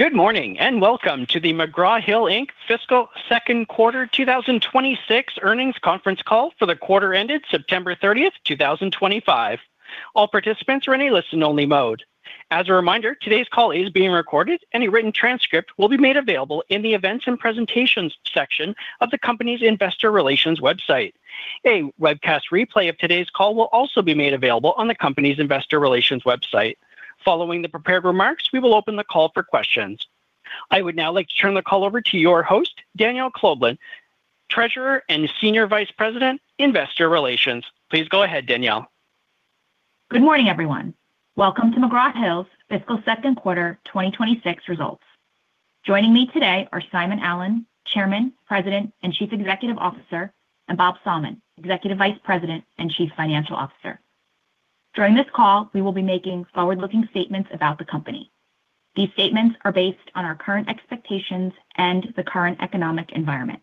Good morning and welcome to the McGraw Hill fiscal second quarter 2026 earnings conference call for the quarter ended September 30th, 2025. All participants are in a listen-only mode. As a reminder, today's call is being recorded. Any written transcript will be made available in the events and presentations section of the company's investor relations website. A webcast replay of today's call will also be made available on the company's investor relations website. Following the prepared remarks, we will open the call for questions. I would now like to turn the call over to your host, Danielle Kloeblen, Treasurer and Senior Vice President, Investor Relations. Please go ahead, Danielle. Good morning, everyone. Welcome to McGraw Hill's fiscal second quarter 2026 results. Joining me today are Simon Allen, Chairman, President, and Chief Executive Officer, and Bob Sallmann, Executive Vice President and Chief Financial Officer. During this call, we will be making forward-looking statements about the company. These statements are based on our current expectations and the current economic environment.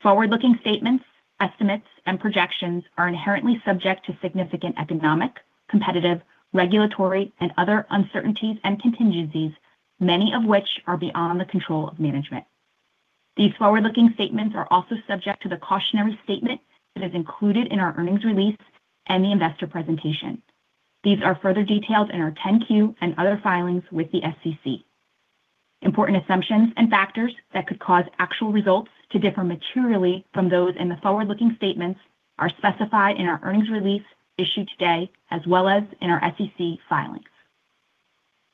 Forward-looking statements, estimates, and projections are inherently subject to significant economic, competitive, regulatory, and other uncertainties and contingencies, many of which are beyond the control of management. These forward-looking statements are also subject to the cautionary statement that is included in our earnings release and the investor presentation. These are further detailed in our 10-Q and other filings with the SEC. Important assumptions and factors that could cause actual results to differ materially from those in the forward-looking statements are specified in our earnings release issued today, as well as in our SEC filings.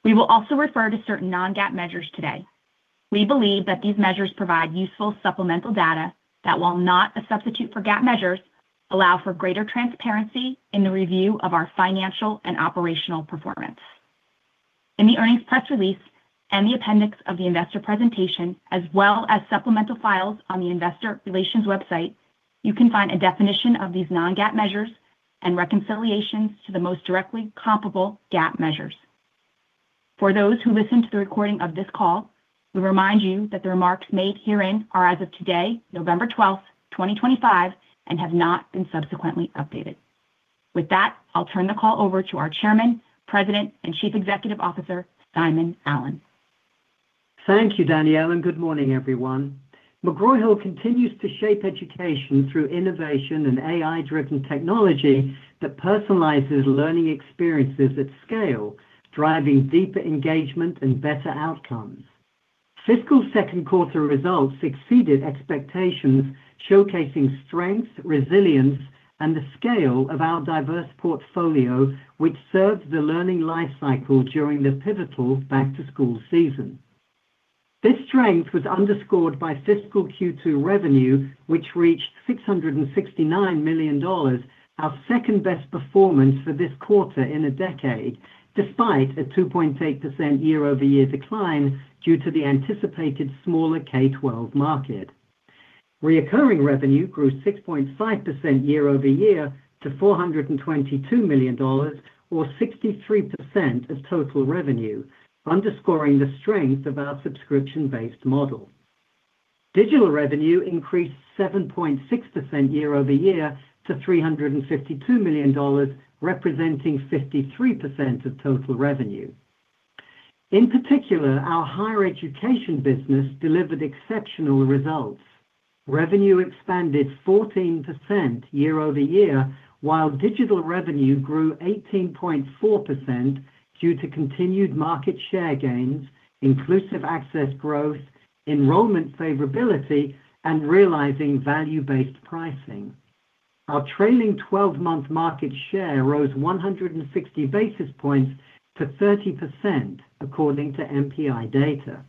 We will also refer to certain non-GAAP measures today. We believe that these measures provide useful supplemental data that, while not a substitute for GAAP measures, allow for greater transparency in the review of our financial and operational performance. In the earnings press release and the appendix of the investor presentation, as well as supplemental files on the investor relations website, you can find a definition of these non-GAAP measures and reconciliations to the most directly comparable GAAP measures. For those who listen to the recording of this call, we remind you that the remarks made herein are as of today, November 12, 2025, and have not been subsequently updated. With that, I'll turn the call over to our Chairman, President, and Chief Executive Officer, Simon Allen. Thank you, Danielle, and good morning, everyone. McGraw Hill continues to shape education through innovation and AI-driven technology that personalizes learning experiences at scale, driving deeper engagement and better outcomes. Fiscal second quarter results exceeded expectations, showcasing strength, resilience, and the scale of our diverse portfolio, which served the learning life cycle during the pivotal back-to-school season. This strength was underscored by fiscal Q2 revenue, which reached $669 million, our second-best performance for this quarter in a decade, despite a 2.8% year-over-year decline due to the anticipated smaller K-12 market. Recurring revenue grew 6.5% year-over-year to $422 million, or 63% of total revenue, underscoring the strength of our subscription-based model. Digital revenue increased 7.6% year-over-year to $352 million, representing 53% of total revenue. In particular, our higher education business delivered exceptional results. Revenue expanded 14% year-over-year, while digital revenue grew 18.4% due to continued market share gains, inclusive access growth, enrollment favorability, and realizing value-based pricing. Our trailing 12-month market share rose 160 basis points to 30%, according to MPI data.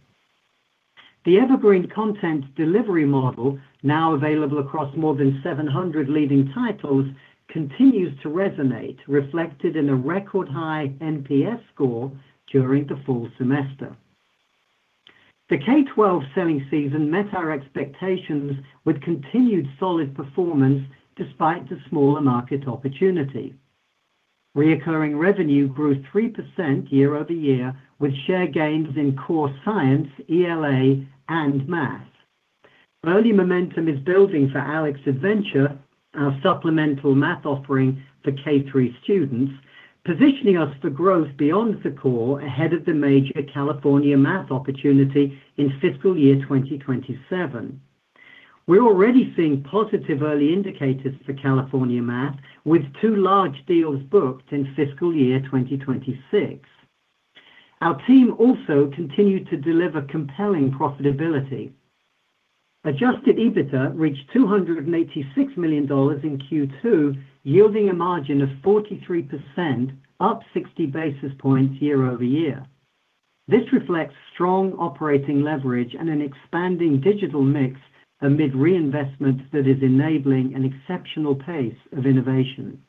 The Evergreen content delivery model, now available across more than 700 leading titles, continues to resonate, reflected in a record-high NPS score during the full semester. The K-12 selling season met our expectations with continued solid performance despite the smaller market opportunity. Recurring revenue grew 3% year-over-year, with share gains in core science, ELA, and math. Early momentum is building for ALEKS Adventure, our supplemental math offering for K-3 students, positioning us for growth beyond the core ahead of the major California math opportunity in fiscal year 2027. We're already seeing positive early indicators for California math, with two large deals booked in fiscal year 2026. Our team also continued to deliver compelling profitability. Adjusted EBITDA reached $286 million in Q2, yielding a margin of 43%, up 60 basis points year-over-year. This reflects strong operating leverage and an expanding digital mix amid reinvestment that is enabling an exceptional pace of innovation.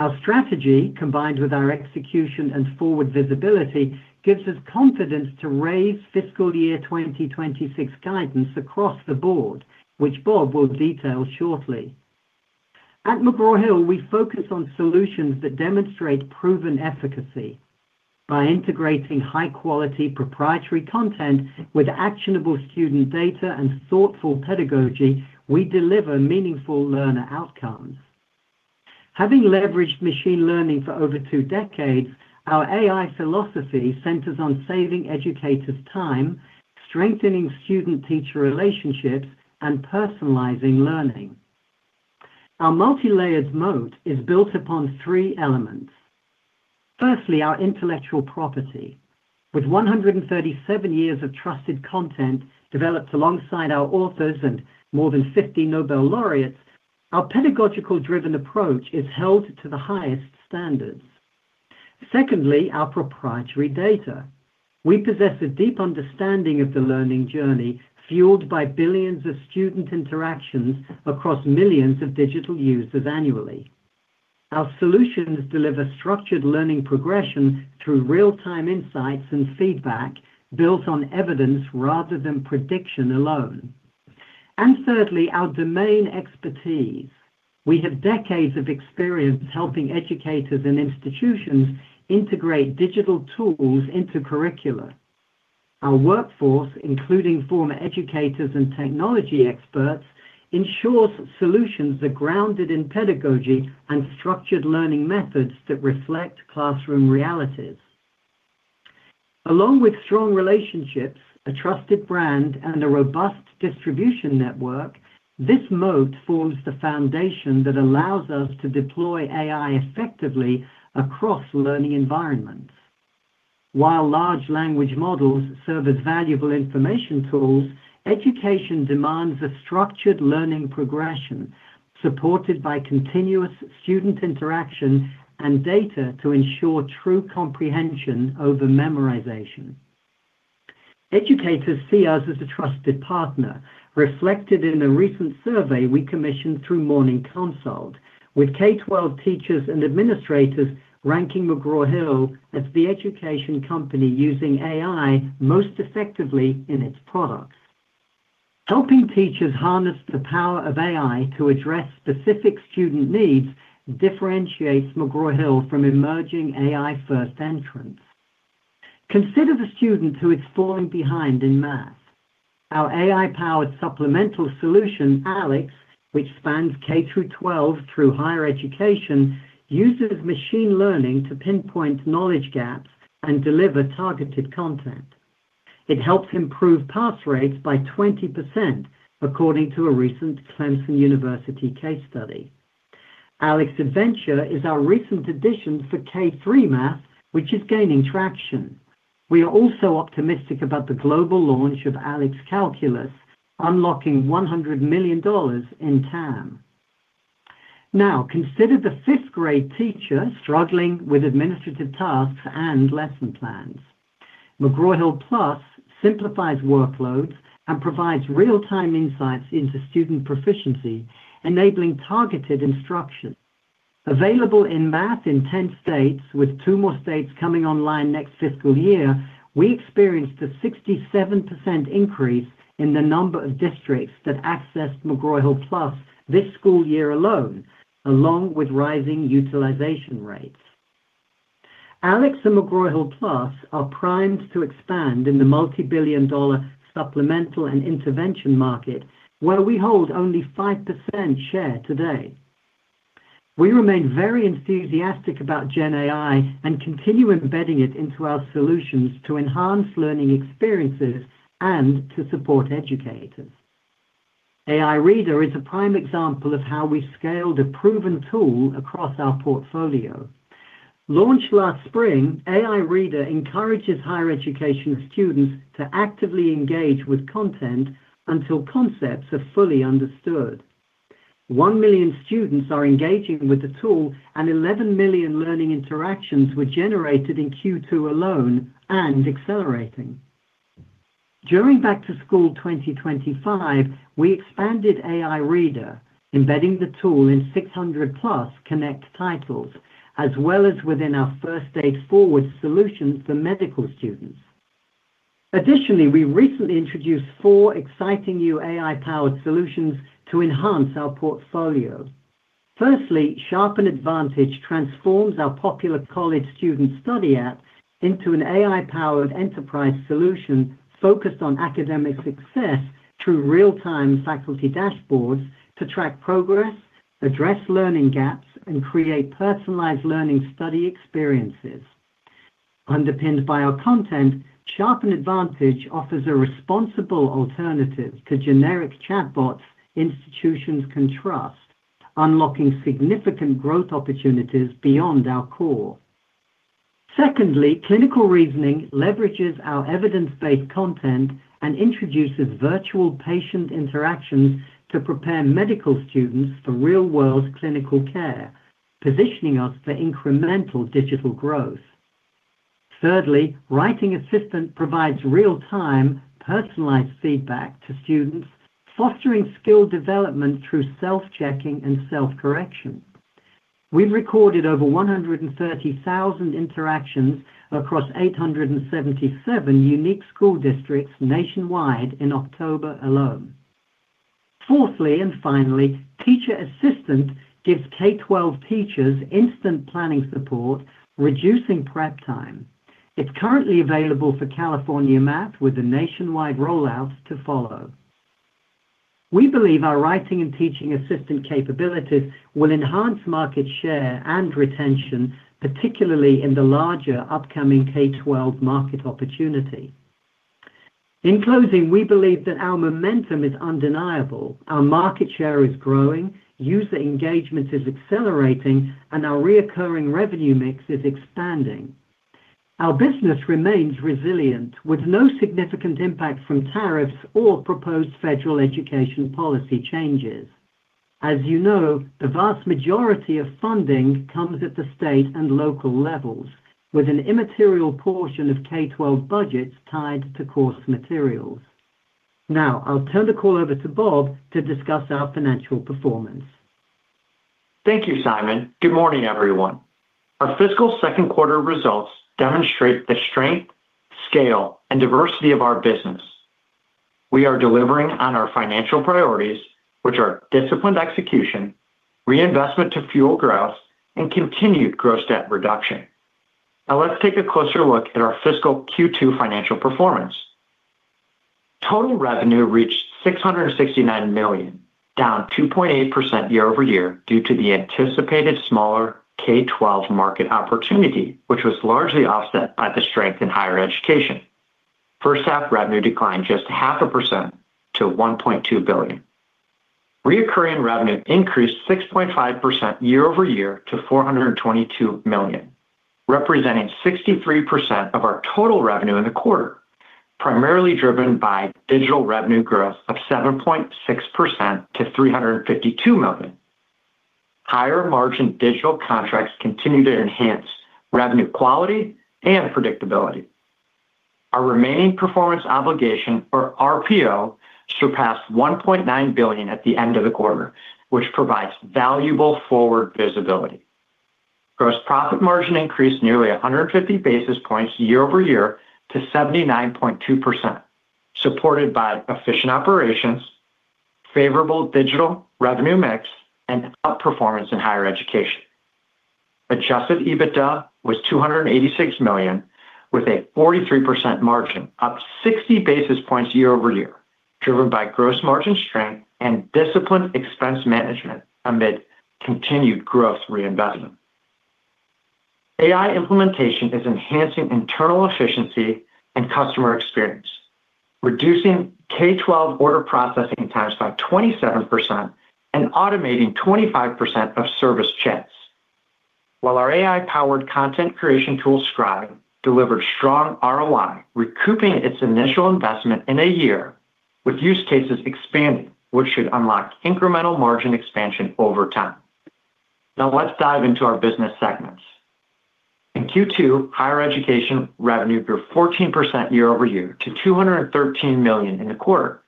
Our strategy, combined with our execution and forward visibility, gives us confidence to raise fiscal year 2026 guidance across the board, which Bob will detail shortly. At McGraw Hill, we focus on solutions that demonstrate proven efficacy. By integrating high-quality proprietary content with actionable student data and thoughtful pedagogy, we deliver meaningful learner outcomes. Having leveraged machine learning for over two decades, our AI philosophy centers on saving educators' time, strengthening student-teacher relationships, and personalizing learning. Our multi-layered moat is built upon three elements. Firstly, our intellectual property. With 137 years of trusted content developed alongside our authors and more than 50 Nobel laureates, our pedagogical-driven approach is held to the highest standards. Secondly, our proprietary data. We possess a deep understanding of the learning journey, fueled by billions of student interactions across millions of digital users annually. Our solutions deliver structured learning progression through real-time insights and feedback built on evidence rather than prediction alone. Thirdly, our domain expertise. We have decades of experience helping educators and institutions integrate digital tools into curricula. Our workforce, including former educators and technology experts, ensures solutions are grounded in pedagogy and structured learning methods that reflect classroom realities. Along with strong relationships, a trusted brand, and a robust distribution network, this moat forms the foundation that allows us to deploy AI effectively across learning environments. While large language models serve as valuable information tools, education demands a structured learning progression supported by continuous student interaction and data to ensure true comprehension over memorization. Educators see us as a trusted partner, reflected in a recent survey we commissioned through Morning Consult, with K-12 teachers and administrators ranking McGraw Hill as the education company using AI most effectively in its products. Helping teachers harness the power of AI to address specific student needs differentiates McGraw Hill from emerging AI-first entrants. Consider the student who is falling behind in math. Our AI-powered supplemental solution, ALEKS, which spans K-12 through higher education, uses machine learning to pinpoint knowledge gaps and deliver targeted content. It helps improve pass rates by 20%, according to a recent Clemson University case study. ALEKS Adventure is our recent addition for K-3 math, which is gaining traction. We are also optimistic about the global launch of ALEKS Calculus, unlocking $100 million in TAM. Now, consider the fifth-grade teacher struggling with administrative tasks and lesson plans. McGraw Hill Plus simplifies workloads and provides real-time insights into student proficiency, enabling targeted instruction. Available in math in 10 states, with two more states coming online next fiscal year, we experienced a 67% increase in the number of districts that accessed McGraw Hill Plus this school year alone, along with rising utilization rates. ALEKS and McGraw Hill Plus are primed to expand in the multi-billion dollar supplemental and intervention market, where we hold only 5% share today. We remain very enthusiastic about GenAI and continue embedding it into our solutions to enhance learning experiences and to support educators. AI Reader is a prime example of how we scaled a proven tool across our portfolio. Launched last spring, AI Reader encourages higher education students to actively engage with content until concepts are fully understood. One million students are engaging with the tool, and 11 million learning interactions were generated in Q2 alone and accelerating. During Back-to-School 2025, we expanded AI Reader, embedding the tool in 600-plus Connect titles, as well as within our first-day forward solutions for medical students. Additionally, we recently introduced four exciting new AI-powered solutions to enhance our portfolio. Firstly, Sharpen Advantage transforms our popular college student study app into an AI-powered enterprise solution focused on academic success through real-time faculty dashboards to track progress, address learning gaps, and create personalized learning study experiences. Underpinned by our content, Sharpen Advantage offers a responsible alternative to generic chatbots institutions can trust, unlocking significant growth opportunities beyond our core. Secondly, Clinical Reasoning leverages our evidence-based content and introduces virtual patient interactions to prepare medical students for real-world clinical care, positioning us for incremental digital growth. Thirdly, Writing Assistant provides real-time personalized feedback to students, fostering skill development through self-checking and self-correction. We've recorded over 130,000 interactions across 877 unique school districts nationwide in October alone. Fourthly and finally, Teacher Assistant gives K-12 teachers instant planning support, reducing prep time. It's currently available for California math, with a nationwide rollout to follow. We believe our writing and teaching assistant capabilities will enhance market share and retention, particularly in the larger upcoming K-12 market opportunity. In closing, we believe that our momentum is undeniable. Our market share is growing, user engagement is accelerating, and our recurring revenue mix is expanding. Our business remains resilient, with no significant impact from tariffs or proposed federal education policy changes. As you know, the vast majority of funding comes at the state and local levels, with an immaterial portion of K-12 budgets tied to course materials. Now, I'll turn the call over to Bob to discuss our financial performance. Thank you, Simon. Good morning, everyone. Our fiscal second quarter results demonstrate the strength, scale, and diversity of our business. We are delivering on our financial priorities, which are disciplined execution, reinvestment to fuel growth, and continued gross debt reduction. Now, let's take a closer look at our fiscal Q2 financial performance. Total revenue reached $669 million, down 2.8% year-over-year due to the anticipated smaller K-12 market opportunity, which was largely offset by the strength in higher education. First-half revenue declined just 0.5% to $1.2 billion. Reoccurring revenue increased 6.5% year-over-year to $422 million, representing 63% of our total revenue in the quarter, primarily driven by digital revenue growth of 7.6% to $352 million. Higher-margin digital contracts continue to enhance revenue quality and predictability. Our remaining performance obligation, or RPO, surpassed $1.9 billion at the end of the quarter, which provides valuable forward visibility. Gross profit margin increased nearly 150 basis points year-over-year to 79.2%, supported by efficient operations, favorable digital revenue mix, and outperformance in higher education. Adjusted EBITDA was $286 million, with a 43% margin, up 60 basis points year-over-year, driven by gross margin strength and disciplined expense management amid continued growth reinvestment. AI implementation is enhancing internal efficiency and customer experience, reducing K-12 order processing times by 27% and automating 25% of service chats. While our AI-powered content creation tool Scribe delivered strong ROI, recouping its initial investment in a year, with use cases expanding, which should unlock incremental margin expansion over time. Now, let's dive into our business segments. In Q2, higher education revenue grew 14% year-over-year to $213 million in the quarter.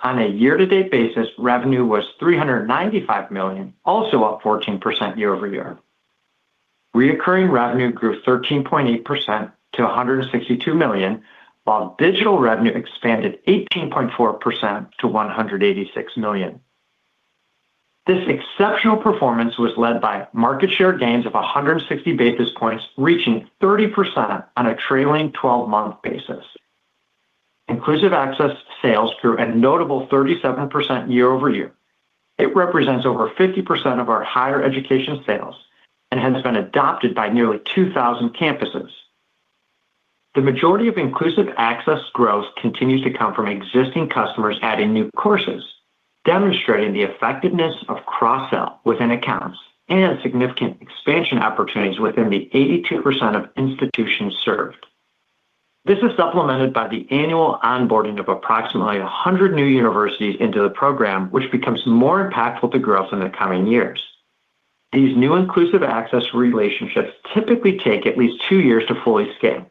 On a year-to-date basis, revenue was $395 million, also up 14% year-over-year. Reoccurring revenue grew 13.8% to $162 million, while digital revenue expanded 18.4% to $186 million. This exceptional performance was led by market share gains of 160 basis points, reaching 30% on a trailing 12-month basis. Inclusive access sales grew a notable 37% year-over-year. It represents over 50% of our higher education sales and has been adopted by nearly 2,000 campuses. The majority of inclusive access growth continues to come from existing customers adding new courses, demonstrating the effectiveness of cross-sell within accounts and significant expansion opportunities within the 82% of institutions served. This is supplemented by the annual onboarding of approximately 100 new universities into the program, which becomes more impactful to growth in the coming years. These new inclusive access relationships typically take at least two years to fully scale.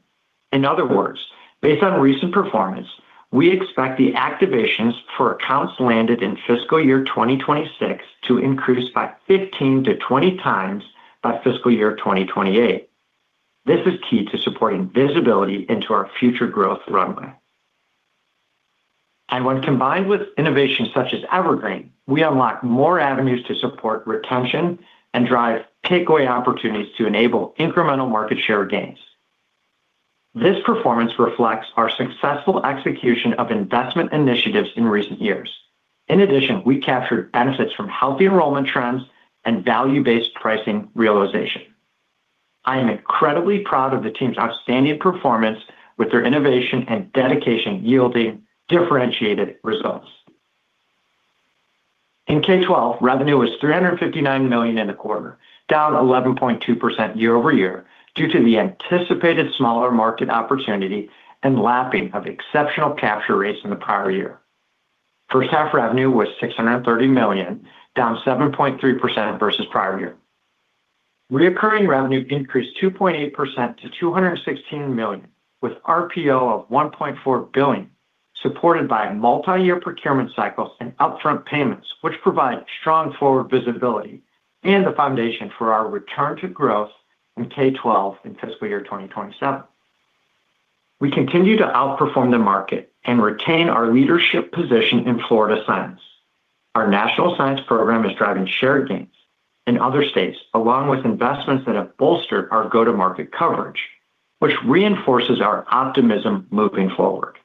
In other words, based on recent performance, we expect the activations for accounts landed in fiscal year 2026 to increase by 15-20 times by fiscal year 2028. This is key to supporting visibility into our future growth runway. When combined with innovations such as Evergreen, we unlock more avenues to support retention and drive takeaway opportunities to enable incremental market share gains. This performance reflects our successful execution of investment initiatives in recent years. In addition, we captured benefits from healthy enrollment trends and value-based pricing realization. I am incredibly proud of the team's outstanding performance, with their innovation and dedication yielding differentiated results. In K-12, revenue was $359 million in the quarter, down 11.2% year-over-year due to the anticipated smaller market opportunity and lapping of exceptional capture rates in the prior year. First-half revenue was $630 million, down 7.3% versus prior year. Reoccurring revenue increased 2.8% to $216 million, with RPO of $1.4 billion, supported by multi-year procurement cycles and upfront payments, which provide strong forward visibility and the foundation for our return to growth in K-12 in fiscal year 2027. We continue to outperform the market and retain our leadership position in Florida science. Our national science program is driving shared gains in other states, along with investments that have bolstered our go-to-market coverage, which reinforces our optimism moving forward.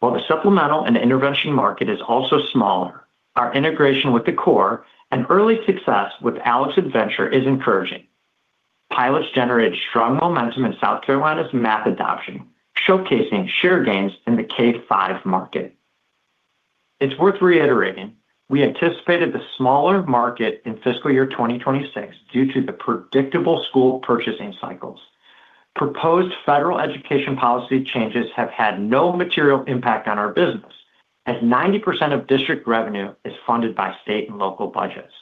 While the supplemental and intervention market is also smaller, our integration with the core and early success with ALEKS Adventure is encouraging. Pilots generated strong momentum in South Carolina's math adoption, showcasing share gains in the K-5 market. It's worth reiterating, we anticipated the smaller market in fiscal year 2026 due to the predictable school purchasing cycles. Proposed federal education policy changes have had no material impact on our business, as 90% of district revenue is funded by state and local budgets.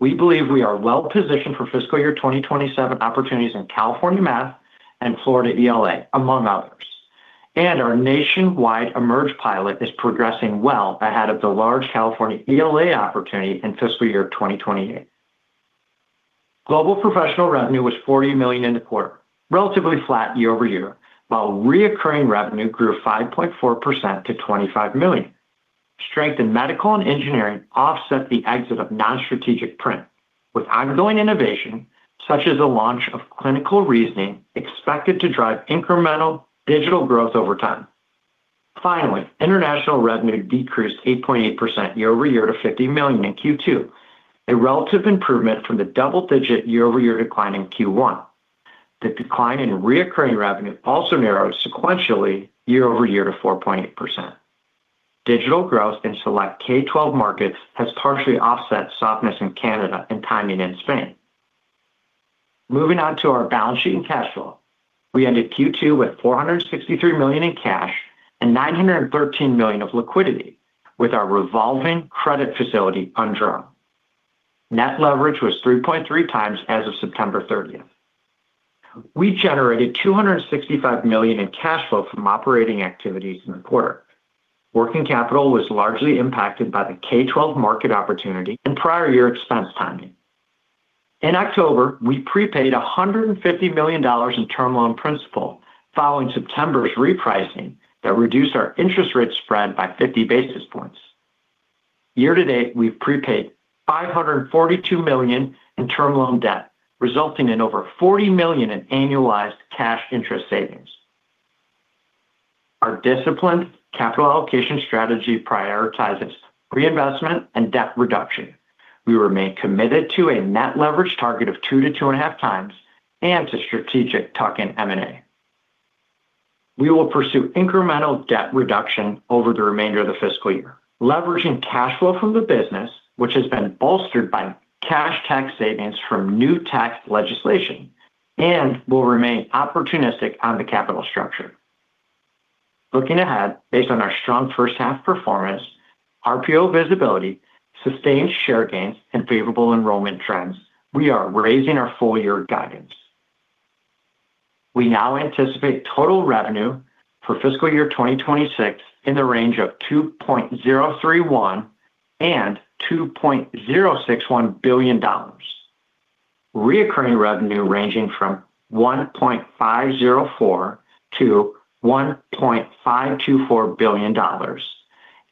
We believe we are well positioned for fiscal year 2027 opportunities in California math and Florida ELA, among others. Our nationwide Emerge pilot is progressing well ahead of the large California ELA opportunity in fiscal year 2028. Global professional revenue was $40 million in the quarter, relatively flat year-over-year, while recurring revenue grew 5.4% to $25 million. Strength in medical and engineering offset the exit of non-strategic print, with ongoing innovation such as the launch of Clinical Reasoning expected to drive incremental digital growth over time. Finally, international revenue decreased 8.8% year-over-year to $50 million in Q2, a relative improvement from the double-digit year-over-year decline in Q1. The decline in recurring revenue also narrowed sequentially year-over-year to 4.8%. Digital growth in select K-12 markets has partially offset softness in Canada and timing in Spain. Moving on to our balance sheet and cash flow, we ended Q2 with $463 million in cash and $913 million of liquidity, with our revolving credit facility unjurred. Net leverage was 3.3 times as of September 30th. We generated $265 million in cash flow from operating activities in the quarter. Working capital was largely impacted by the K-12 market opportunity and prior year expense timing. In October, we prepaid $150 million in term loan principal following September's repricing that reduced our interest rate spread by 50 basis points. Year-to-date, we've prepaid $542 million in term loan debt, resulting in over $40 million in annualized cash interest savings. Our disciplined capital allocation strategy prioritizes reinvestment and debt reduction. We remain committed to a net leverage target of 2-2.5 times and to strategic tuck-in M&A. We will pursue incremental debt reduction over the remainder of the fiscal year, leveraging cash flow from the business, which has been bolstered by cash tax savings from new tax legislation, and will remain opportunistic on the capital structure. Looking ahead, based on our strong first-half performance, RPO visibility, sustained share gains, and favorable enrollment trends, we are raising our full-year guidance. We now anticipate total revenue for fiscal year 2026 in the range of $2.031 billion-$2.061 billion, recurring revenue ranging from $1.504 billion-$1.524 billion,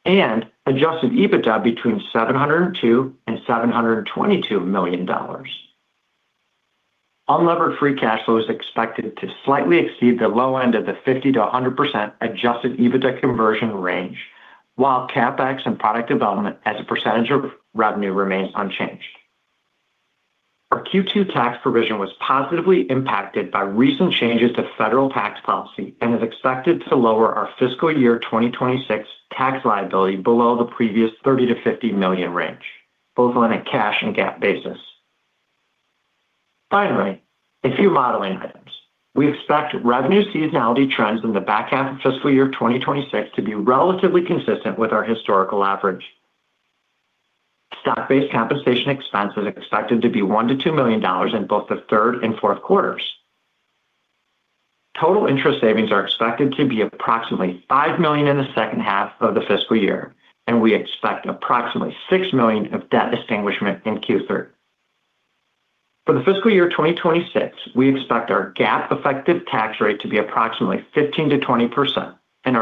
and adjusted EBITDA between $702 million-$722 million. Unlevered free cash flow is expected to slightly exceed the low end of the 50%-100% adjusted EBITDA conversion range, while CapEx and product development as a percentage of revenue remains unchanged. Our Q2 tax provision was positively impacted by recent changes to federal tax policy and is expected to lower our fiscal year 2026 tax liability below the previous $30 million-$50 million range, both on a cash and GAAP basis. Finally, a few modeling items. We expect revenue seasonality trends in the back half of fiscal year 2026 to be relatively consistent with our historical average. Stock-based compensation expense is expected to be $1 million-$2 million in both the third and fourth quarters. Total interest savings are expected to be approximately $5 million in the second half of the fiscal year, and we expect approximately $6 million of debt extinguishment in Q3. For the fiscal year 2026, we expect our GAAP effective tax rate to be approximately 15%-20%, and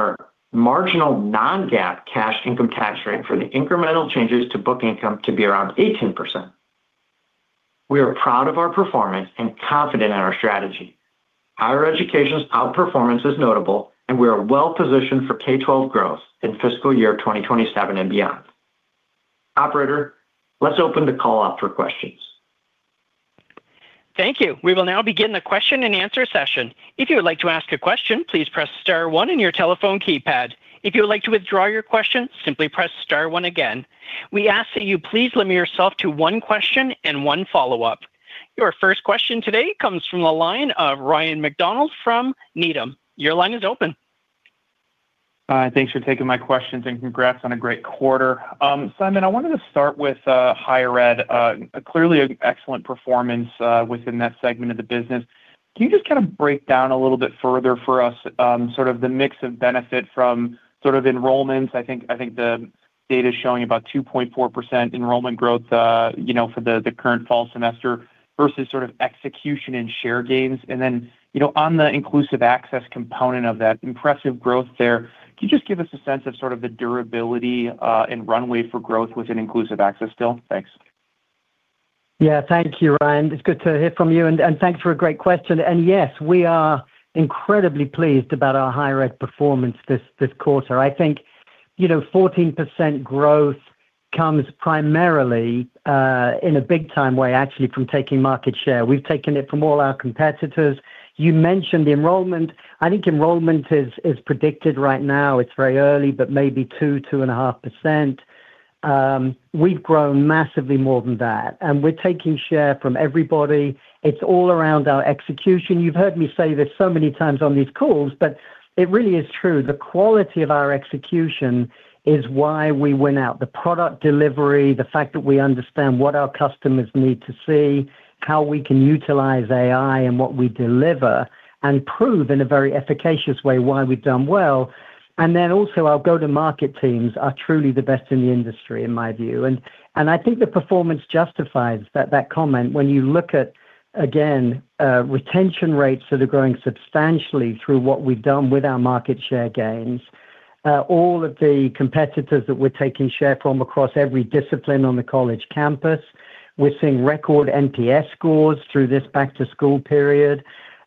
our marginal non-GAAP cash income tax rate for the incremental changes to book income to be around 18%. We are proud of our performance and confident in our strategy. Higher education's outperformance is notable, and we are well positioned for K-12 growth in fiscal year 2027 and beyond. Operator, let's open the call up for questions. Thank you. We will now begin the question and answer session. If you would like to ask a question, please press star one on your telephone keypad. If you would like to withdraw your question, simply press star one again. We ask that you please limit yourself to one question and one follow-up. Your first question today comes from the line of Ryan McDonald from Needham. Your line is open. Hi, thanks for taking my questions and congrats on a great quarter. Simon, I wanted to start with higher ed, clearly an excellent performance within that segment of the business. Can you just kind of break down a little bit further for us sort of the mix of benefit from sort of enrollments? I think the data is showing about 2.4% enrollment growth for the current fall semester versus sort of execution and share gains. And then on the inclusive access component of that impressive growth there, can you just give us a sense of sort of the durability and runway for growth within inclusive access still? Thanks. Yeah, thank you, Ryan. It's good to hear from you, and thanks for a great question. Yes, we are incredibly pleased about our higher ed performance this quarter. I think 14% growth comes primarily in a big-time way, actually, from taking market share. We've taken it from all our competitors. You mentioned enrollment. I think enrollment is predicted right now. It's very early, but maybe 2%-2.5%. We've grown massively more than that, and we're taking share from everybody. It's all around our execution. You've heard me say this so many times on these calls, but it really is true. The quality of our execution is why we win out. The product delivery, the fact that we understand what our customers need to see, how we can utilize AI and what we deliver, and prove in a very efficacious way why we've done well. Our go-to-market teams are truly the best in the industry, in my view. I think the performance justifies that comment when you look at, again, retention rates that are growing substantially through what we have done with our market share gains, all of the competitors that we are taking share from across every discipline on the college campus. We are seeing record NPS scores through this back-to-school period.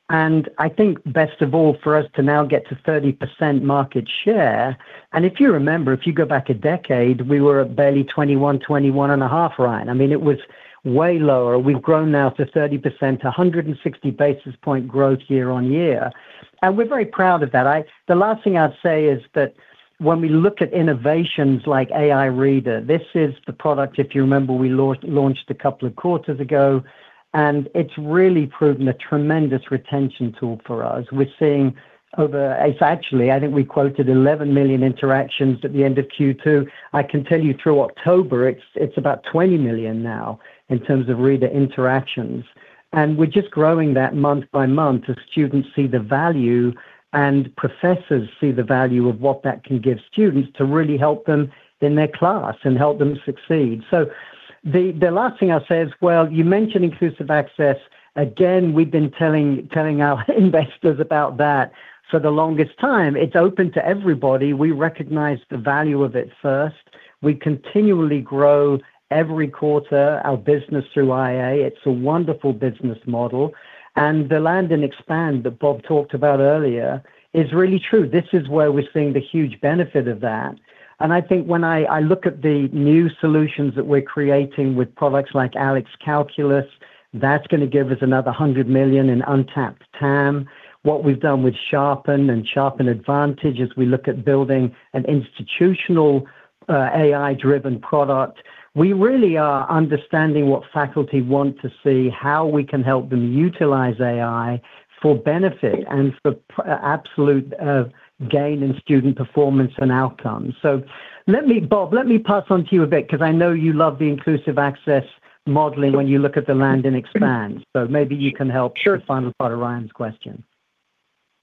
I think best of all for us to now get to 30% market share. If you remember, if you go back a decade, we were at barely 21-21.5, Ryan. I mean, it was way lower. We have grown now to 30%, 160 basis point growth year on year. We are very proud of that. The last thing I'd say is that when we look at innovations like AI Reader, this is the product, if you remember, we launched a couple of quarters ago, and it's really proven a tremendous retention tool for us. We're seeing over, it's actually, I think we quoted 11 million interactions at the end of Q2. I can tell you through October, it's about 20 million now in terms of Reader interactions. We're just growing that month by month as students see the value and professors see the value of what that can give students to really help them in their class and help them succeed. The last thing I'll say is, you mentioned inclusive access. Again, we've been telling our investors about that for the longest time. It's open to everybody. We recognize the value of it first. We continually grow every quarter our business through IA. It's a wonderful business model. The land and expand that Bob talked about earlier is really true. This is where we're seeing the huge benefit of that. I think when I look at the new solutions that we're creating with products like ALEKS Calculus, that's going to give us another $100 million in untapped TAM. What we've done with Sharpen and Sharpen Advantage as we look at building an institutional AI-driven product, we really are understanding what faculty want to see, how we can help them utilize AI for benefit and for absolute gain in student performance and outcomes. Bob, let me pass on to you a bit because I know you love the inclusive access modeling when you look at the land and expand. Maybe you can help with the final part of Ryan's question.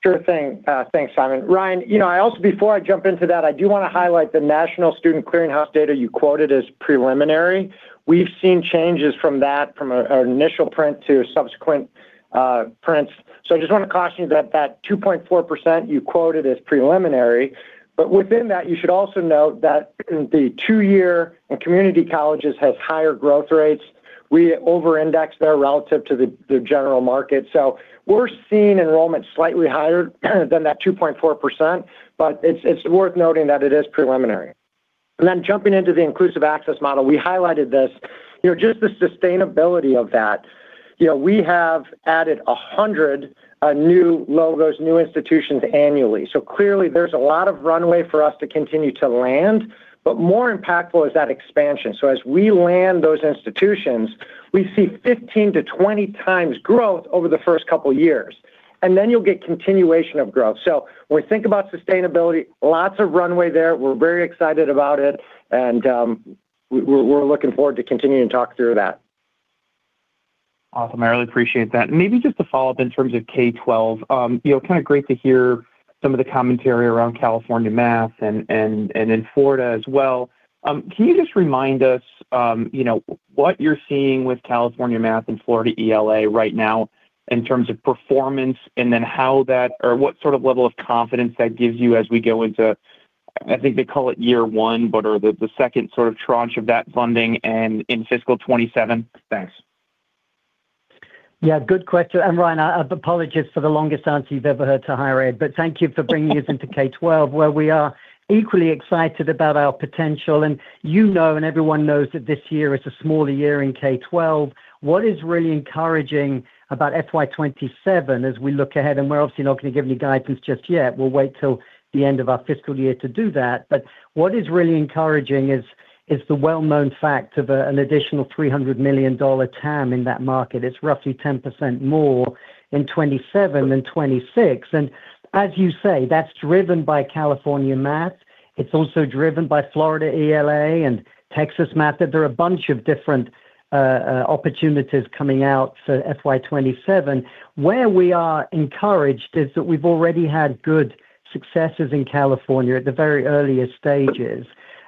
Sure thing. Thanks, Simon. Ryan, you know I also, before I jump into that, I do want to highlight the National Student Clearinghouse data you quoted as preliminary. We've seen changes from that, from our initial print to subsequent prints. I just want to caution you that that 2.4% you quoted is preliminary. Within that, you should also note that the two-year and community colleges has higher growth rates. We over-index there relative to the general market. We're seeing enrollment slightly higher than that 2.4%, but it's worth noting that it is preliminary. Jumping into the inclusive access model, we highlighted this. Just the sustainability of that. We have added 100 new logos, new institutions annually. Clearly, there's a lot of runway for us to continue to land, but more impactful is that expansion. As we land those institutions, we see 15-20 times growth over the first couple of years. You will get continuation of growth. When we think about sustainability, lots of runway there. We are very excited about it, and we are looking forward to continuing to talk through that. Awesome. I really appreciate that. Maybe just to follow up in terms of K-12, kind of great to hear some of the commentary around California math and in Florida as well. Can you just remind us what you are seeing with California math and Florida ELA right now in terms of performance and then how that or what sort of level of confidence that gives you as we go into, I think they call it year one, but are the second sort of tranche of that funding in fiscal 2027? Thanks. Yeah, good question. Ryan, I apologize for the longest answer you've ever heard to higher ed, but thank you for bringing us into K-12, where we are equally excited about our potential. You know and everyone knows that this year is a smaller year in K-12. What is really encouraging about fiscal year 2027 as we look ahead? We are obviously not going to give any guidance just yet. We will wait till the end of our fiscal year to do that. What is really encouraging is the well-known fact of an additional $300 million TAM in that market. It is roughly 10% more in 2027 than 2026. As you say, that is driven by California math. It is also driven by Florida ELA and Texas math. There are a bunch of different opportunities coming out for fiscal year 2027. Where we are encouraged is that we have already had good successes in California at the very earliest stages.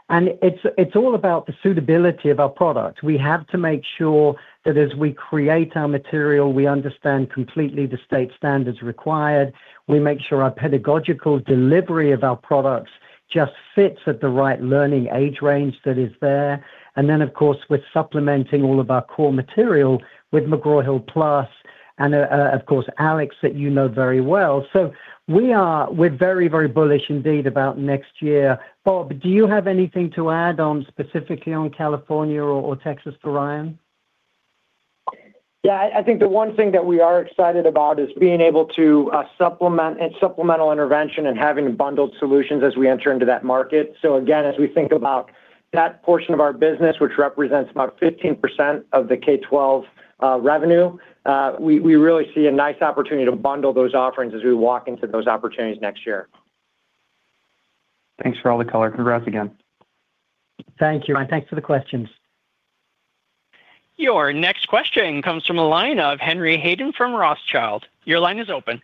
It is all about the suitability of our product. We have to make sure that as we create our material, we understand completely the state standards required. We make sure our pedagogical delivery of our products just fits at the right learning age range that is there. Of course, we are supplementing all of our core material with McGraw Hill Plus and, of course, ALEKS that you know very well. We are very, very bullish indeed about next year. Bob, do you have anything to add specifically on California or Texas for Ryan? Yeah, I think the one thing that we are excited about is being able to supplement and supplemental intervention and having bundled solutions as we enter into that market. Again, as we think about that portion of our business, which represents about 15% of the K-12 revenue, we really see a nice opportunity to bundle those offerings as we walk into those opportunities next year. Thanks for all the color. Congrats again. Thank you, Ryan. Thanks for the questions. Your next question comes from the line of Henry Hayden from Rothschild. Your line is open.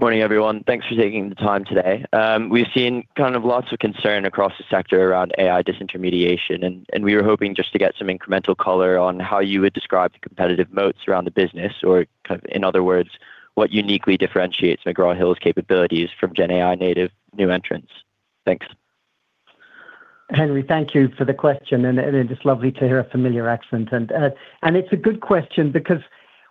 Morning, everyone. Thanks for taking the time today. We've seen kind of lots of concern across the sector around AI disintermediation, and we were hoping just to get some incremental color on how you would describe the competitive moats around the business, or in other words, what uniquely differentiates McGraw Hill's capabilities from GenAI native new entrants. Thanks. Henry, thank you for the question, and it's lovely to hear a familiar accent. It's a good question because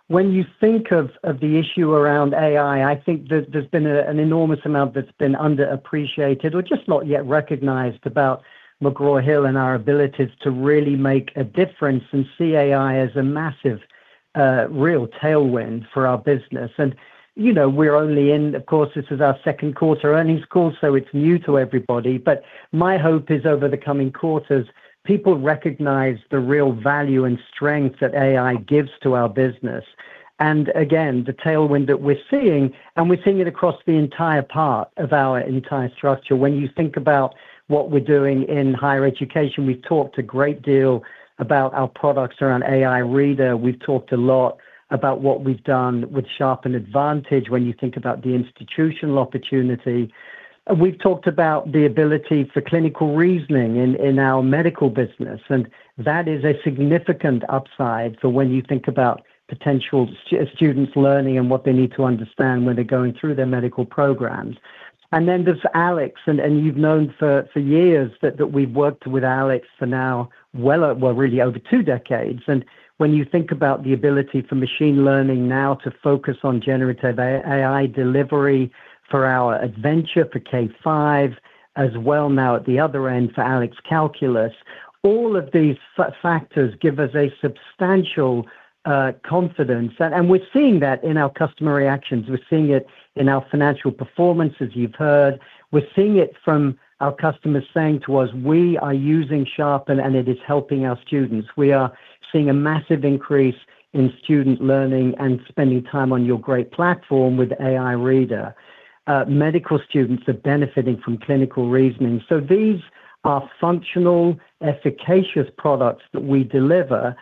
when you think of the issue around AI, I think there's been an enormous amount that's been underappreciated or just not yet recognized about McGraw Hill and our abilities to really make a difference and see AI as a massive real tailwind for our business. We're only in, of course, this is our second quarter earnings call, so it's new to everybody. My hope is over the coming quarters, people recognize the real value and strength that AI gives to our business. The tailwind that we're seeing, we're seeing it across the entire part of our entire structure. When you think about what we're doing in higher education, we've talked a great deal about our products around AI Reader. We've talked a lot about what we've done with Sharpen Advantage when you think about the institutional opportunity. We've talked about the ability for clinical reasoning in our medical business, and that is a significant upside for when you think about potential students learning and what they need to understand when they're going through their medical programs. Then there's ALEKS, and you've known for years that we've worked with ALEKS for now, well, really over two decades. When you think about the ability for machine learning now to focus on generative AI delivery for our adventure for K-5, as well now at the other end for ALEKS Calculus, all of these factors give us substantial confidence. We're seeing that in our customer reactions. We're seeing it in our financial performance, as you've heard. We're seeing it from our customers saying to us, "We are using Sharpen, and it is helping our students." We are seeing a massive increase in student learning and spending time on your great platform with AI Reader. Medical students are benefiting from Clinical Reasoning. These are functional, efficacious products that we deliver.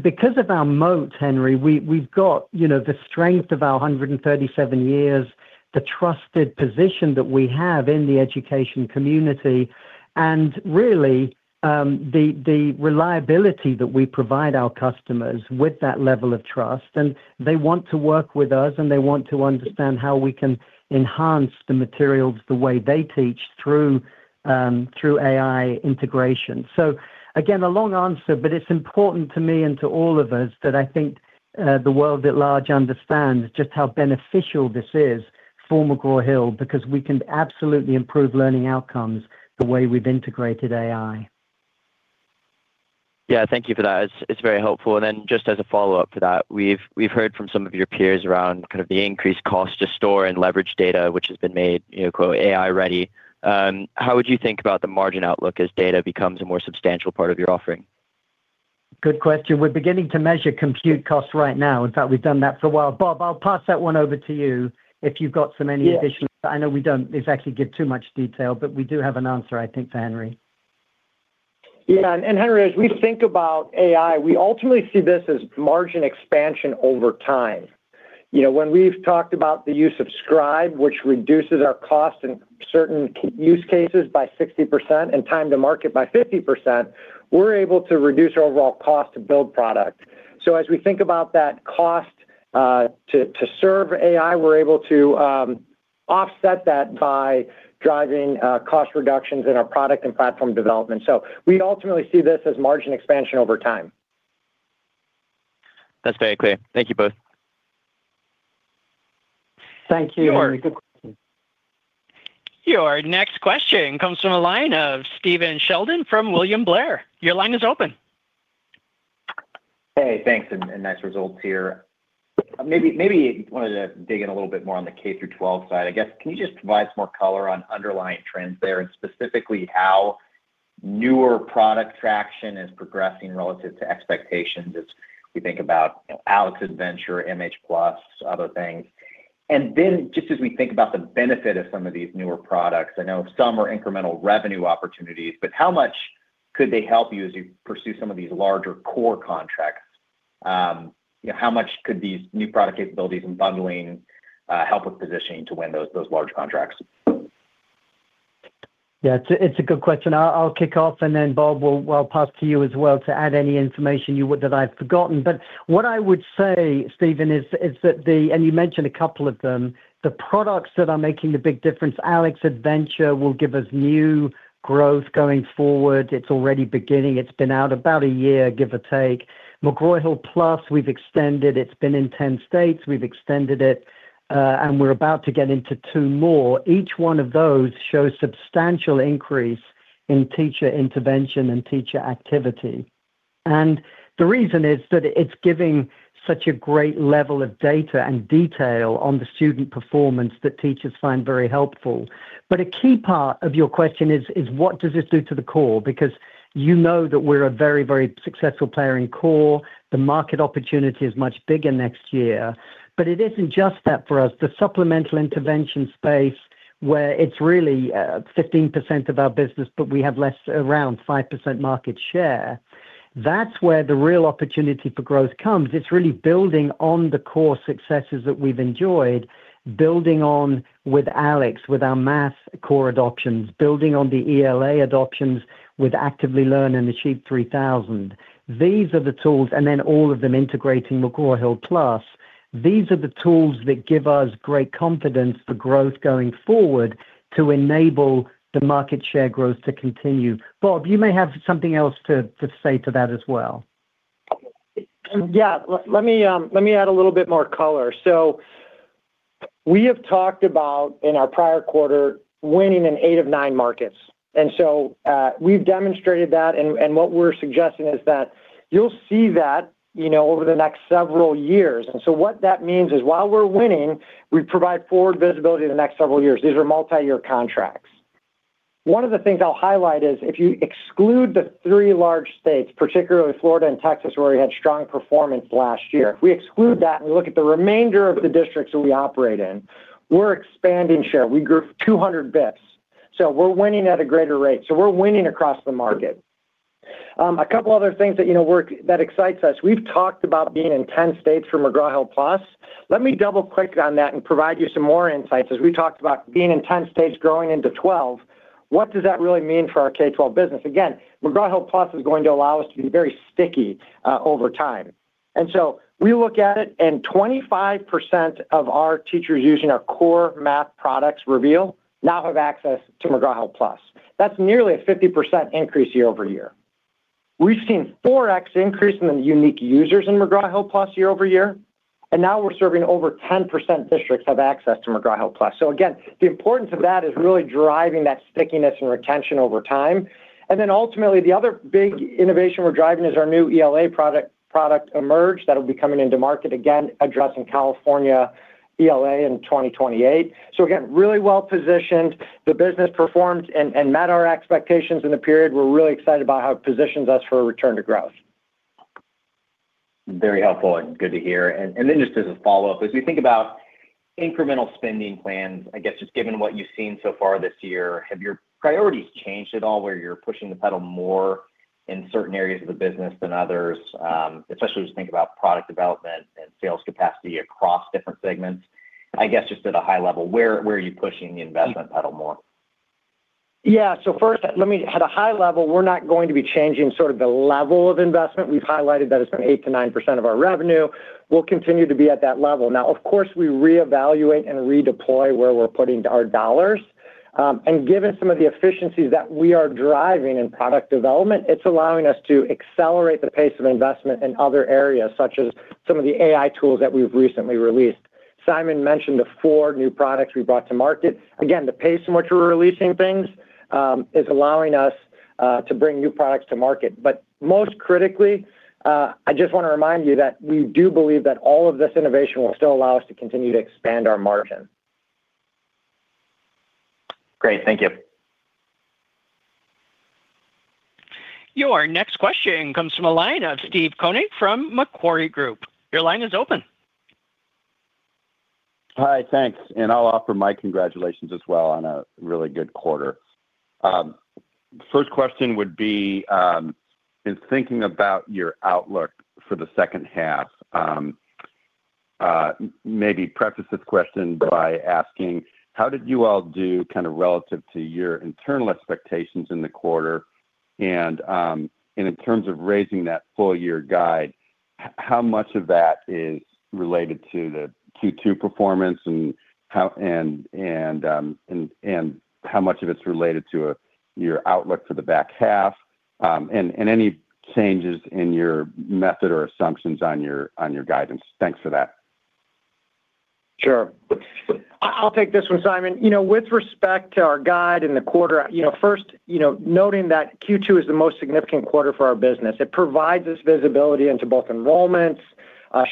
Because of our moats, Henry, we have the strength of our 137 years, the trusted position that we have in the education community, and really the reliability that we provide our customers with that level of trust. They want to work with us, and they want to understand how we can enhance the materials the way they teach through AI integration. Again, a long answer, but it's important to me and to all of us that I think the world at large understands just how beneficial this is for McGraw Hill because we can absolutely improve learning outcomes the way we've integrated AI. Yeah, thank you for that. It's very helpful. Just as a follow-up to that, we've heard from some of your peers around kind of the increased cost to store and leverage data, which has been made, quote, "AI-ready." How would you think about the margin outlook as data becomes a more substantial part of your offering? Good question. We're beginning to measure compute costs right now. In fact, we've done that for a while. Bob, I'll pass that one over to you if you've got some additional. I know we don't exactly give too much detail, but we do have an answer, I think, for Henry. Yeah. Henry, as we think about AI, we ultimately see this as margin expansion over time. When we've talked about the use of Scribe, which reduces our cost in certain use cases by 60% and time to market by 50%, we're able to reduce our overall cost to build product. As we think about that cost to serve AI, we're able to offset that by driving cost reductions in our product and platform development. We ultimately see this as margin expansion over time. That's very clear. Thank you both. Thank you. Your. Your next question comes from a line of Steven Sheldon from William Blair. Your line is open. Hey, thanks. Nice results here. Maybe wanted to dig in a little bit more on the K-12 side. I guess can you just provide some more color on underlying trends there and specifically how newer product traction is progressing relative to expectations as we think about ALEKS Adventure, MH Plus, other things? Just as we think about the benefit of some of these newer products, I know some are incremental revenue opportunities, but how much could they help you as you pursue some of these larger core contracts? How much could these new product capabilities and bundling help with positioning to win those large contracts? Yeah, it's a good question. I'll kick off, and then Bob, I'll pass to you as well to add any information that I've forgotten. What I would say, Steven, is that the—and you mentioned a couple of them—the products that are making the big difference, ALEKS Adventure will give us new growth going forward. It's already beginning. It's been out about a year, give or take. McGraw Hill Plus, we've extended. It's been in 10 states. We've extended it, and we're about to get into two more. Each one of those shows substantial increase in teacher intervention and teacher activity. The reason is that it's giving such a great level of data and detail on the student performance that teachers find very helpful. A key part of your question is, what does this do to the core? Because you know that we're a very, very successful player in core. The market opportunity is much bigger next year. It isn't just that for us. The supplemental intervention space, where it's really 15% of our business, but we have less, around 5% market share. That's where the real opportunity for growth comes. It's really building on the core successes that we've enjoyed, building on with ALEKS, with our math core adoptions, building on the ELA adoptions with Actively Learn and Achieve 3000. These are the tools, and then all of them integrating McGraw Hill Plus. These are the tools that give us great confidence for growth going forward to enable the market share growth to continue. Bob, you may have something else to say to that as well. Yeah, let me add a little bit more color. We have talked about in our prior quarter winning in eight of nine markets. We have demonstrated that, and what we are suggesting is that you will see that over the next several years. What that means is while we are winning, we provide forward visibility in the next several years. These are multi-year contracts. One of the things I will highlight is if you exclude the three large states, particularly Florida and Texas, where we had strong performance last year, if we exclude that and we look at the remainder of the districts that we operate in, we are expanding share. We grew 200 basis points. We are winning at a greater rate. We are winning across the market. A couple of other things that excite us, we have talked about being in 10 states for McGraw Hill Plus. Let me double-click on that and provide you some more insights. As we talked about being in 10 states growing into 12, what does that really mean for our K-12 business? Again, McGraw Hill Plus is going to allow us to be very sticky over time. As we look at it, 25% of our teachers using our core math products Reveal now have access to McGraw Hill Plus. That's nearly a 50% increase year over year. We've seen 4X increase in the unique users in McGraw Hill Plus year over year, and now we're serving over 10% of districts that have access to McGraw Hill Plus. The importance of that is really driving that stickiness and retention over time. Ultimately, the other big innovation we're driving is our new ELA product Emerge that will be coming into market, again, addressing California ELA in 2028. Again, really well positioned. The business performed and met our expectations in the period. We're really excited about how it positions us for a return to growth. Very helpful and good to hear. Just as a follow-up, as we think about incremental spending plans, I guess just given what you've seen so far this year, have your priorities changed at all where you're pushing the pedal more in certain areas of the business than others, especially as we think about product development and sales capacity across different segments? I guess just at a high level, where are you pushing the investment pedal more? Yeah. So first, at a high level, we're not going to be changing sort of the level of investment. We've highlighted that it's been 8%-9% of our revenue. We'll continue to be at that level. Now, of course, we reevaluate and redeploy where we're putting our dollars. And given some of the efficiencies that we are driving in product development, it's allowing us to accelerate the pace of investment in other areas, such as some of the AI tools that we've recently released. Simon mentioned the four new products we brought to market. Again, the pace in which we're releasing things is allowing us to bring new products to market. But most critically, I just want to remind you that we do believe that all of this innovation will still allow us to continue to expand our margin. Great. Thank you. Your next question comes from a line of Steve Koenig from Macquarie Group. Your line is open. Hi, thanks. I'll offer my congratulations as well on a really good quarter. First question would be, in thinking about your outlook for the second half, maybe preface this question by asking, how did you all do kind of relative to your internal expectations in the quarter? In terms of raising that full-year guide, how much of that is related to the Q2 performance and how much of it's related to your outlook for the back half and any changes in your method or assumptions on your guidance? Thanks for that. Sure. I'll take this one, Simon. With respect to our guide in the quarter, first, noting that Q2 is the most significant quarter for our business. It provides us visibility into both enrollments,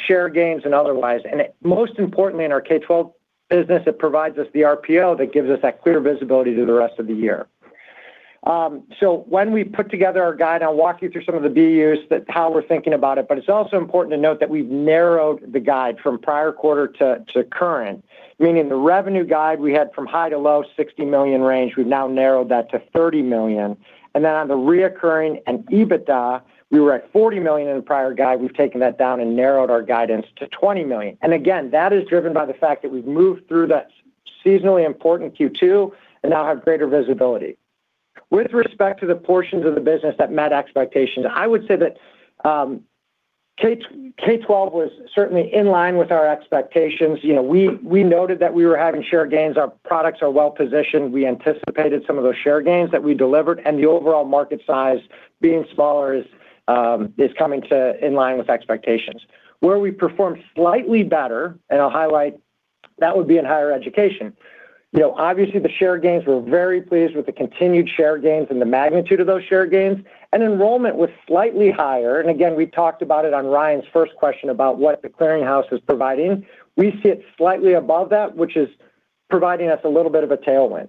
share gains, and otherwise. Most importantly, in our K-12 business, it provides us the RPO that gives us that clear visibility to the rest of the year. When we put together our guide, I'll walk you through some of the BUs, how we're thinking about it. It's also important to note that we've narrowed the guide from prior quarter to current, meaning the revenue guide we had from high to low, $60 million range, we've now narrowed that to $30 million. On the reoccurring and EBITDA, we were at $40 million in the prior guide. We've taken that down and narrowed our guidance to $20 million. That is driven by the fact that we have moved through that seasonally important Q2 and now have greater visibility. With respect to the portions of the business that met expectations, I would say that K-12 was certainly in line with our expectations. We noted that we were having share gains. Our products are well positioned. We anticipated some of those share gains that we delivered. The overall market size being smaller is coming in line with expectations. Where we performed slightly better, and I will highlight that would be in higher education. Obviously, the share gains, we are very pleased with the continued share gains and the magnitude of those share gains. Enrollment was slightly higher. We talked about it on Ryan's first question about what the clearinghouse is providing. We see it slightly above that, which is providing us a little bit of a tailwind.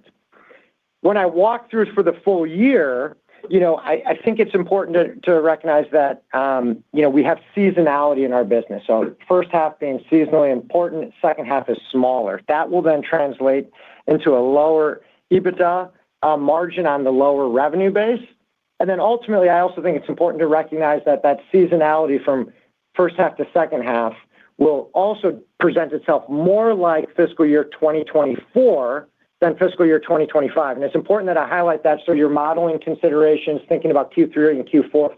When I walk through for the full year, I think it's important to recognize that we have seasonality in our business. First half being seasonally important, second half is smaller. That will then translate into a lower EBITDA margin on the lower revenue base. I also think it's important to recognize that that seasonality from first half to second half will also present itself more like fiscal year 2024 than fiscal year 2025. It's important that I highlight that for your modeling considerations, thinking about Q3 and Q4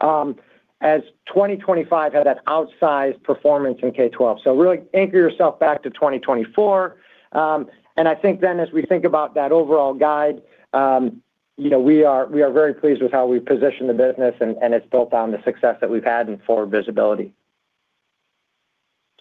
phasing, as 2025 had that outsized performance in K-12. Really anchor yourself back to 2024. I think then as we think about that overall guide, we are very pleased with how we've positioned the business and it's built on the success that we've had and forward visibility.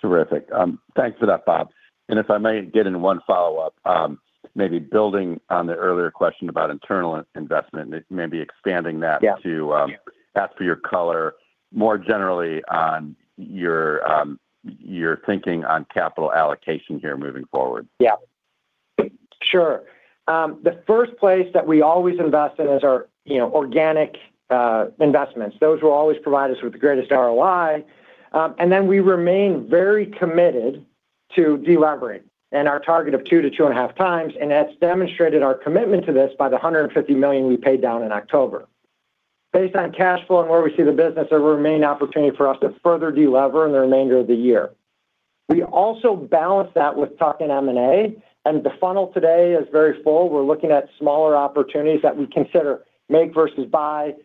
Terrific. Thanks for that, Bob. If I may get in one follow-up, maybe building on the earlier question about internal investment, maybe expanding that to ask for your color more generally on your thinking on capital allocation here moving forward. Yeah. Sure. The first place that we always invest in is our organic investments. Those will always provide us with the greatest ROI. We remain very committed to deleverage and our target of two to two and a half times. That is demonstrated by our commitment to this by the $150 million we paid down in October. Based on cash flow and where we see the business, there will remain opportunity for us to further deleverage in the remainder of the year. We also balance that with talking M&A. The funnel today is very full. We're looking at smaller opportunities that we consider make versus buy,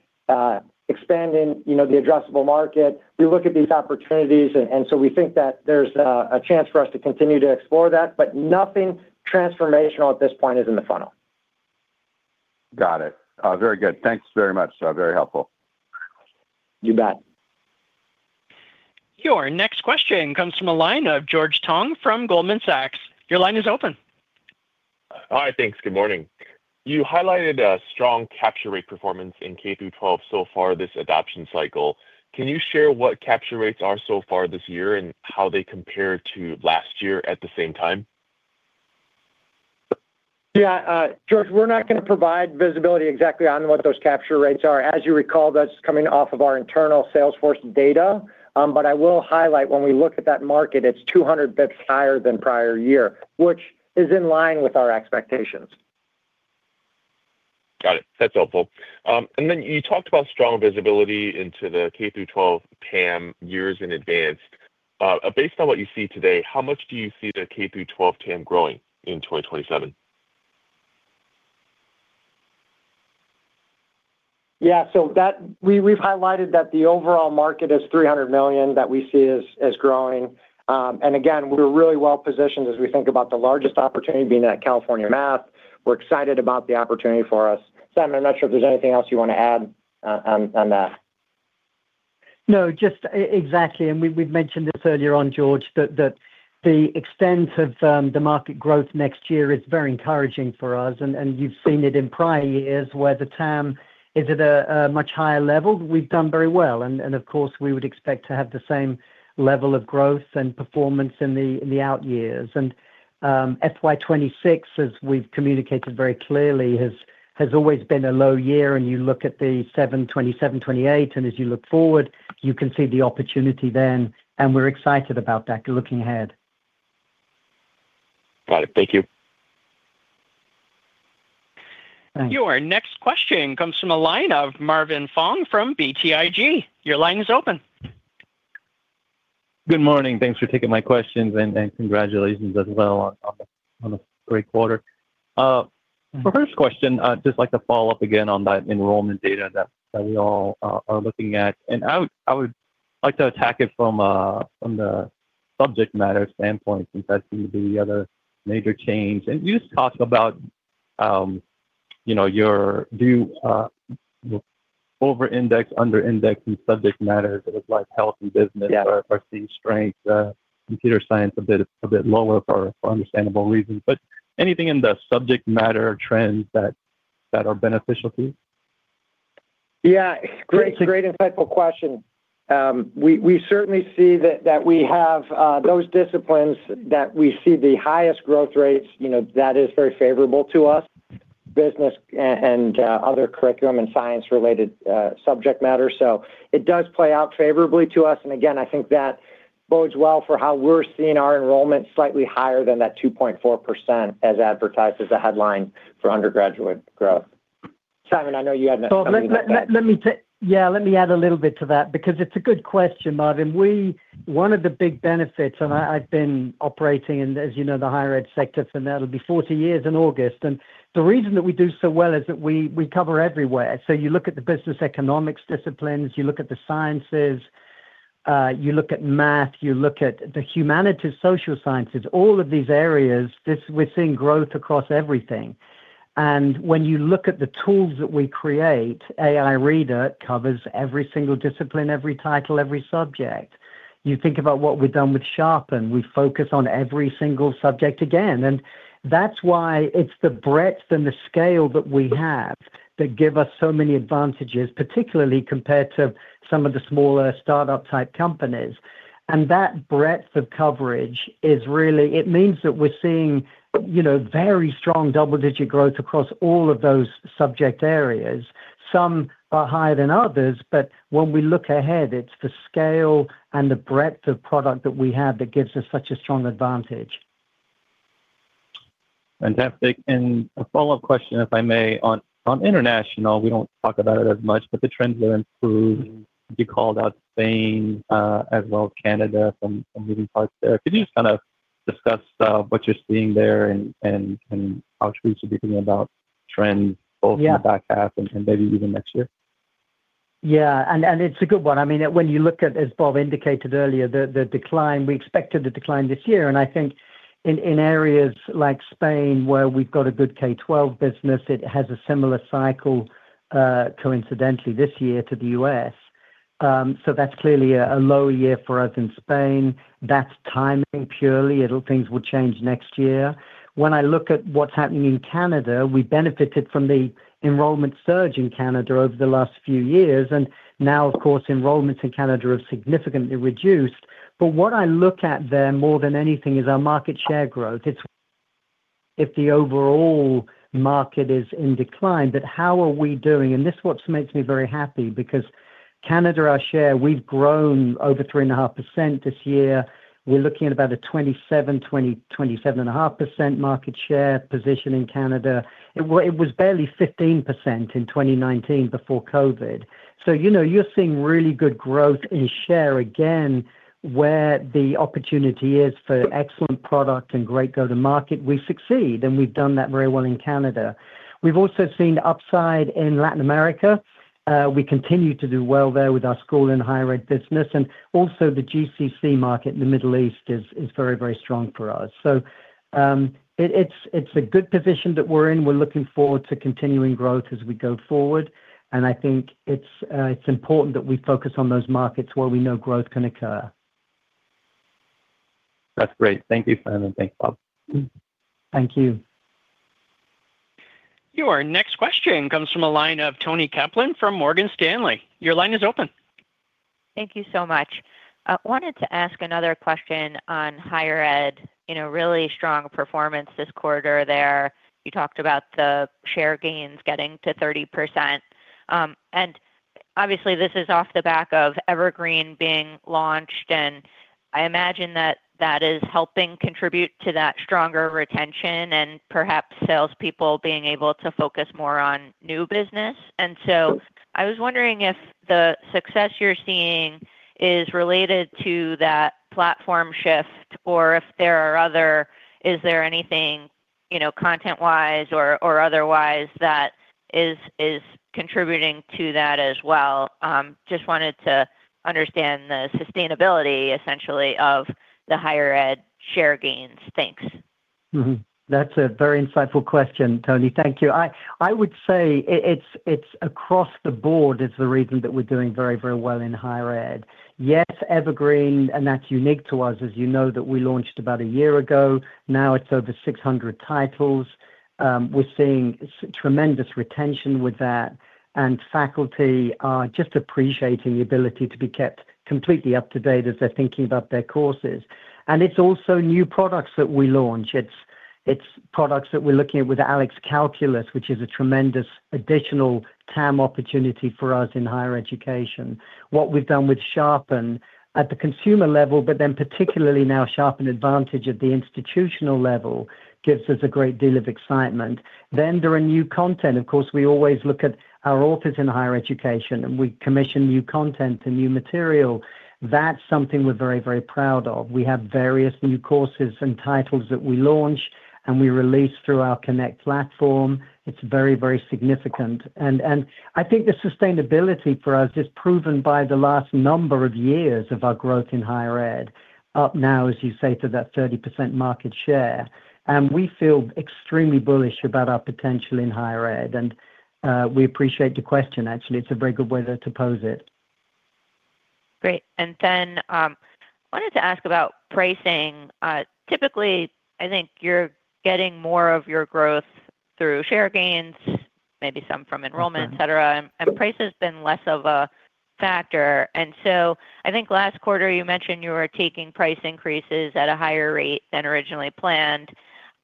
expanding the addressable market. We look at these opportunities, and so we think that there's a chance for us to continue to explore that. Nothing transformational at this point is in the funnel. Got it. Very good. Thanks very much. Very helpful. You bet. Your next question comes from a line of George Tong from Goldman Sachs. Your line is open. Hi, thanks. Good morning. You highlighted a strong capture rate performance in K-12 so far this adoption cycle. Can you share what capture rates are so far this year and how they compare to last year at the same time? Yeah. George, we're not going to provide visibility exactly on what those capture rates are. As you recall, that's coming off of our internal Salesforce data. I will highlight when we look at that market, it's 200 basis points higher than prior year, which is in line with our expectations. Got it. That's helpful. You talked about strong visibility into the K-12 TAM years in advance. Based on what you see today, how much do you see the K-12 TAM growing in 2027? Yeah. So we've highlighted that the overall market is $300 million that we see as growing. Again, we're really well positioned as we think about the largest opportunity being at California Math. We're excited about the opportunity for us. Simon, I'm not sure if there's anything else you want to add on that. No, just exactly. We have mentioned this earlier on, George, that the extent of the market growth next year is very encouraging for us. You have seen it in prior years where the TAM is at a much higher level. We have done very well. Of course, we would expect to have the same level of growth and performance in the out years. FY 2026, as we have communicated very clearly, has always been a low year. You look at 2027, 2028, and as you look forward, you can see the opportunity then. We are excited about that looking ahead. Got it. Thank you. Your next question comes from a line of Marvin Fong from BTIG. Your line is open. Good morning. Thanks for taking my questions and congratulations as well on a great quarter. For the first question, I'd just like to follow up again on that enrollment data that we all are looking at. I would like to attack it from the subject matter standpoint since that seemed to be the other major change. You just talked about your over-index, under-index, and subject matter that was like health and business or C strength, computer science a bit lower for understandable reasons. Anything in the subject matter trends that are beneficial to you? Yeah. It's a great insightful question. We certainly see that we have those disciplines that we see the highest growth rates. That is very favorable to us, business and other curriculum and science-related subject matter. It does play out favorably to us. Again, I think that bodes well for how we're seeing our enrollment slightly higher than that 2.4% as advertised as a headline for undergraduate growth. Simon, I know you had an explanation. Yeah. Let me add a little bit to that because it's a good question, Marvin. One of the big benefits, and I've been operating in, as you know, the higher ed sector for now, it'll be 40 years in August. The reason that we do so well is that we cover everywhere. You look at the business economics disciplines, you look at the sciences, you look at math, you look at the humanities, social sciences, all of these areas, we're seeing growth across everything. When you look at the tools that we create, AI Reader covers every single discipline, every title, every subject. You think about what we've done with Sharpen. We focus on every single subject again. That's why it's the breadth and the scale that we have that give us so many advantages, particularly compared to some of the smaller startup-type companies. That breadth of coverage is really it means that we're seeing very strong double-digit growth across all of those subject areas. Some are higher than others, but when we look ahead, it's the scale and the breadth of product that we have that gives us such a strong advantage. Fantastic. A follow-up question, if I may. On international, we do not talk about it as much, but the trends are improved. You called out Spain as well as Canada for moving parts there. Could you just kind of discuss what you are seeing there and how we should be thinking about trends both in the back half and maybe even next year? Yeah. And it's a good one. I mean, when you look at, as Bob indicated earlier, the decline, we expected the decline this year. I think in areas like Spain, where we've got a good K-12 business, it has a similar cycle, coincidentally this year, to the U.S. That's clearly a low year for us in Spain. That's timing purely. Things will change next year. When I look at what's happening in Canada, we benefited from the enrollment surge in Canada over the last few years. Now, of course, enrollments in Canada have significantly reduced. What I look at there more than anything is our market share growth. It's if the overall market is in decline, but how are we doing? This is what makes me very happy because Canada, our share, we've grown over 3.5% this year. We're looking at about a 27%-27.5% market share position in Canada. It was barely 15% in 2019 before COVID. You're seeing really good growth in share again where the opportunity is for excellent product and great go-to-market. We succeed, and we've done that very well in Canada. We've also seen upside in Latin America. We continue to do well there with our school and higher ed business. Also, the GCC market in the Middle East is very, very strong for us. It's a good position that we're in. We're looking forward to continuing growth as we go forward. I think it's important that we focus on those markets where we know growth can occur. That's great. Thank you, Simon. Thanks, Bob. Thank you. Your next question comes from a line of Toni Kaplan from Morgan Stanley. Your line is open. Thank you so much. I wanted to ask another question on higher ed, really strong performance this quarter there. You talked about the share gains getting to 30%. Obviously, this is off the back of Evergreen being launched, and I imagine that that is helping contribute to that stronger retention and perhaps salespeople being able to focus more on new business. I was wondering if the success you're seeing is related to that platform shift or if there are other, is there anything content-wise or otherwise that is contributing to that as well? Just wanted to understand the sustainability, essentially, of the higher ed share gains. Thanks. That's a very insightful question, Tony. Thank you. I would say it's across the board is the reason that we're doing very, very well in higher ed. Yes, Evergreen, and that's unique to us, as you know, that we launched about a year ago. Now it's over 600 titles. We're seeing tremendous retention with that. Faculty are just appreciating the ability to be kept completely up to date as they're thinking about their courses. It's also new products that we launch. It's products that we're looking at with ALEKS Calculus, which is a tremendous additional TAM opportunity for us in higher education. What we've done with Sharpen at the consumer level, but then particularly now Sharpen Advantage at the institutional level gives us a great deal of excitement. There are new content. Of course, we always look at our authors in higher education, and we commission new content and new material. That is something we are very, very proud of. We have various new courses and titles that we launch and we release through our Connect platform. It is very, very significant. I think the sustainability for us is proven by the last number of years of our growth in higher ed up now, as you say, to that 30% market share. We feel extremely bullish about our potential in higher ed. We appreciate the question, actually. It is a very good way to pose it. Great. I wanted to ask about pricing. Typically, I think you're getting more of your growth through share gains, maybe some from enrollment, etc. Price has been less of a factor. I think last quarter you mentioned you were taking price increases at a higher rate than originally planned.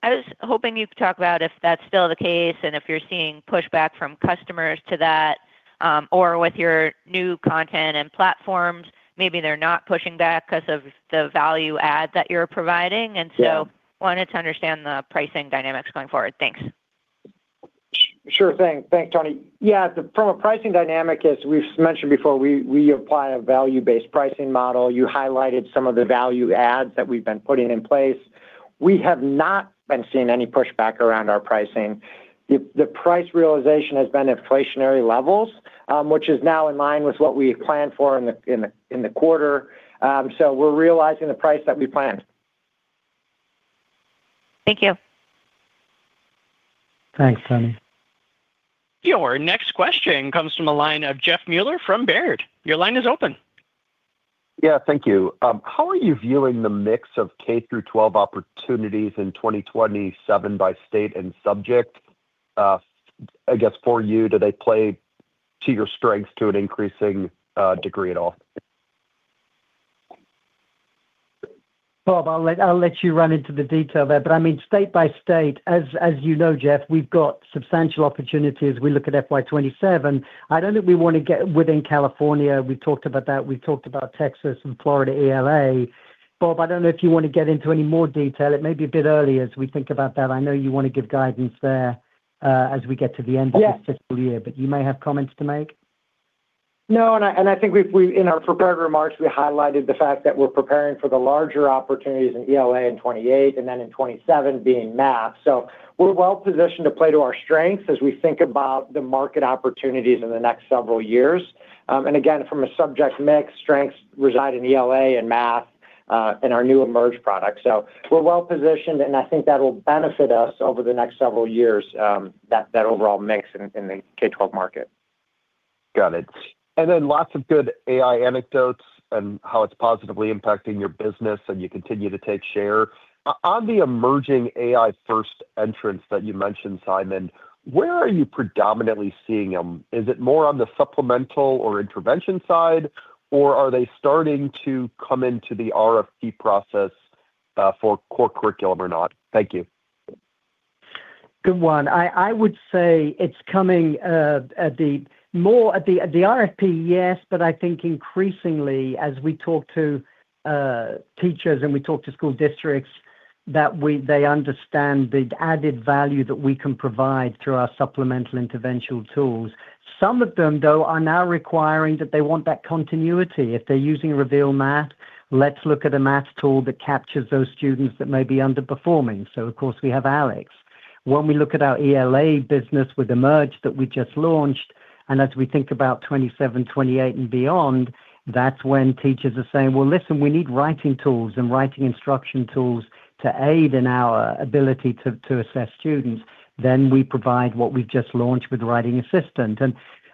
I was hoping you could talk about if that's still the case and if you're seeing pushback from customers to that or with your new content and platforms, maybe they're not pushing back because of the value add that you're providing. I wanted to understand the pricing dynamics going forward. Thanks. Sure thing. Thanks, Tony. Yeah. From a pricing dynamic, as we've mentioned before, we apply a value-based pricing model. You highlighted some of the value adds that we've been putting in place. We have not been seeing any pushback around our pricing. The price realization has been inflationary levels, which is now in line with what we planned for in the quarter. We are realizing the price that we planned. Thank you. Thanks, Toni. Your next question comes from a line of Jeff Meuler from Baird. Your line is open. Yeah. Thank you. How are you viewing the mix of K-12 opportunities in 2027 by state and subject? I guess for you, do they play to your strengths to an increasing degree at all? Bob, I'll let you run into the detail there. I mean, state by state, as you know, Jeff, we've got substantial opportunities. We look at FY 2027. I don't think we want to get within California. We've talked about that. We've talked about Texas and Florida ELA. Bob, I don't know if you want to get into any more detail. It may be a bit early as we think about that. I know you want to give guidance there as we get to the end of this fiscal year, but you may have comments to make. No. I think in our prepared remarks, we highlighted the fact that we're preparing for the larger opportunities in ELA in 2028 and then in 2027 being math. We are well positioned to play to our strengths as we think about the market opportunities in the next several years. Again, from a subject mix, strengths reside in ELA and math and our new emerged products. We are well positioned, and I think that will benefit us over the next several years, that overall mix in the K-12 market. Got it. Lots of good AI anecdotes and how it's positively impacting your business and you continue to take share. On the emerging AI-first entrants that you mentioned, Simon, where are you predominantly seeing them? Is it more on the supplemental or intervention side, or are they starting to come into the RFP process for core curriculum or not? Thank you. Good one. I would say it's coming more at the RFP, yes, but I think increasingly as we talk to teachers and we talk to school districts that they understand the added value that we can provide through our supplemental interventional tools. Some of them, though, are now requiring that they want that continuity. If they're using Reveal Math, let's look at a math tool that captures those students that may be underperforming. Of course, we have ALEKS. When we look at our ELA business with Emerge that we just launched, and as we think about 2027, 2028, and beyond, that's when teachers are saying, "Listen, we need writing tools and writing instruction tools to aid in our ability to assess students." We provide what we've just launched with Writing Assistant.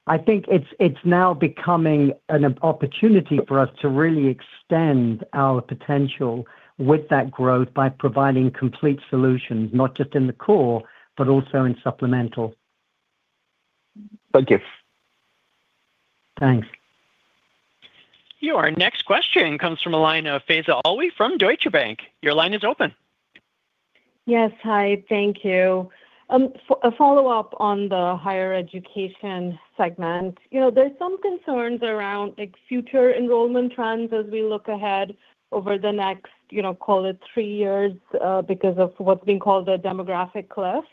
I think it's now becoming an opportunity for us to really extend our potential with that growth by providing complete solutions, not just in the core, but also in supplemental. Thank you. Thanks. Your next question comes from Elena Faisal Alwi from Deutsche Bank. Your line is open. Yes. Hi. Thank you. A follow-up on the higher education segment. There are some concerns around future enrollment trends as we look ahead over the next, call it, three years because of what is being called a demographic cliff.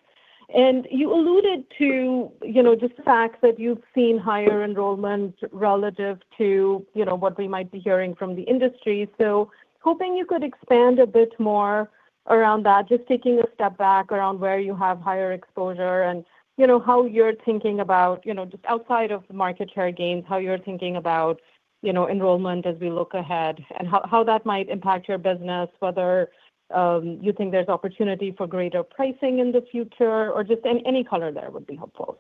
You alluded to just the fact that you have seen higher enrollment relative to what we might be hearing from the industry. Hoping you could expand a bit more around that, just taking a step back around where you have higher exposure and how you are thinking about just outside of market share gains, how you are thinking about enrollment as we look ahead and how that might impact your business, whether you think there is opportunity for greater pricing in the future, or just any color there would be helpful.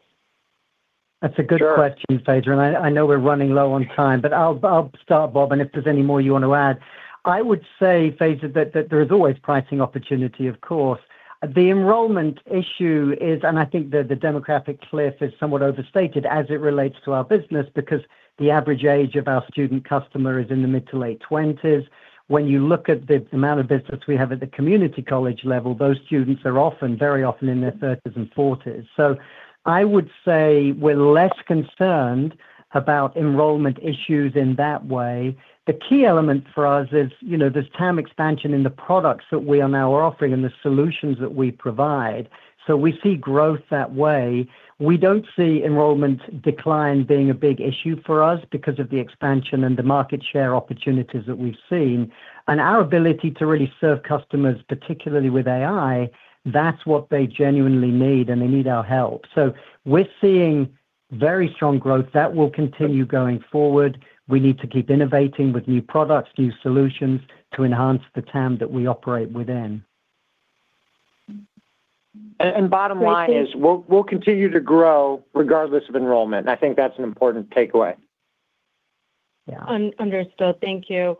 That's a good question, Faisal. I know we're running low on time, but I'll start, Bob, and if there's any more you want to add. I would say, Faisal, that there is always pricing opportunity, of course. The enrollment issue is, and I think the demographic cliff is somewhat overstated as it relates to our business because the average age of our student customer is in the mid to late 20s. When you look at the amount of business we have at the community college level, those students are often, very often, in their 30s and 40s. I would say we're less concerned about enrollment issues in that way. The key element for us is there's TAM expansion in the products that we are now offering and the solutions that we provide. We see growth that way. We do not see enrollment decline being a big issue for us because of the expansion and the market share opportunities that we have seen. Our ability to really serve customers, particularly with AI, is what they genuinely need, and they need our help. We are seeing very strong growth that will continue going forward. We need to keep innovating with new products and new solutions to enhance the TAM that we operate within. Bottom line is we'll continue to grow regardless of enrollment. I think that's an important takeaway. Understood. Thank you.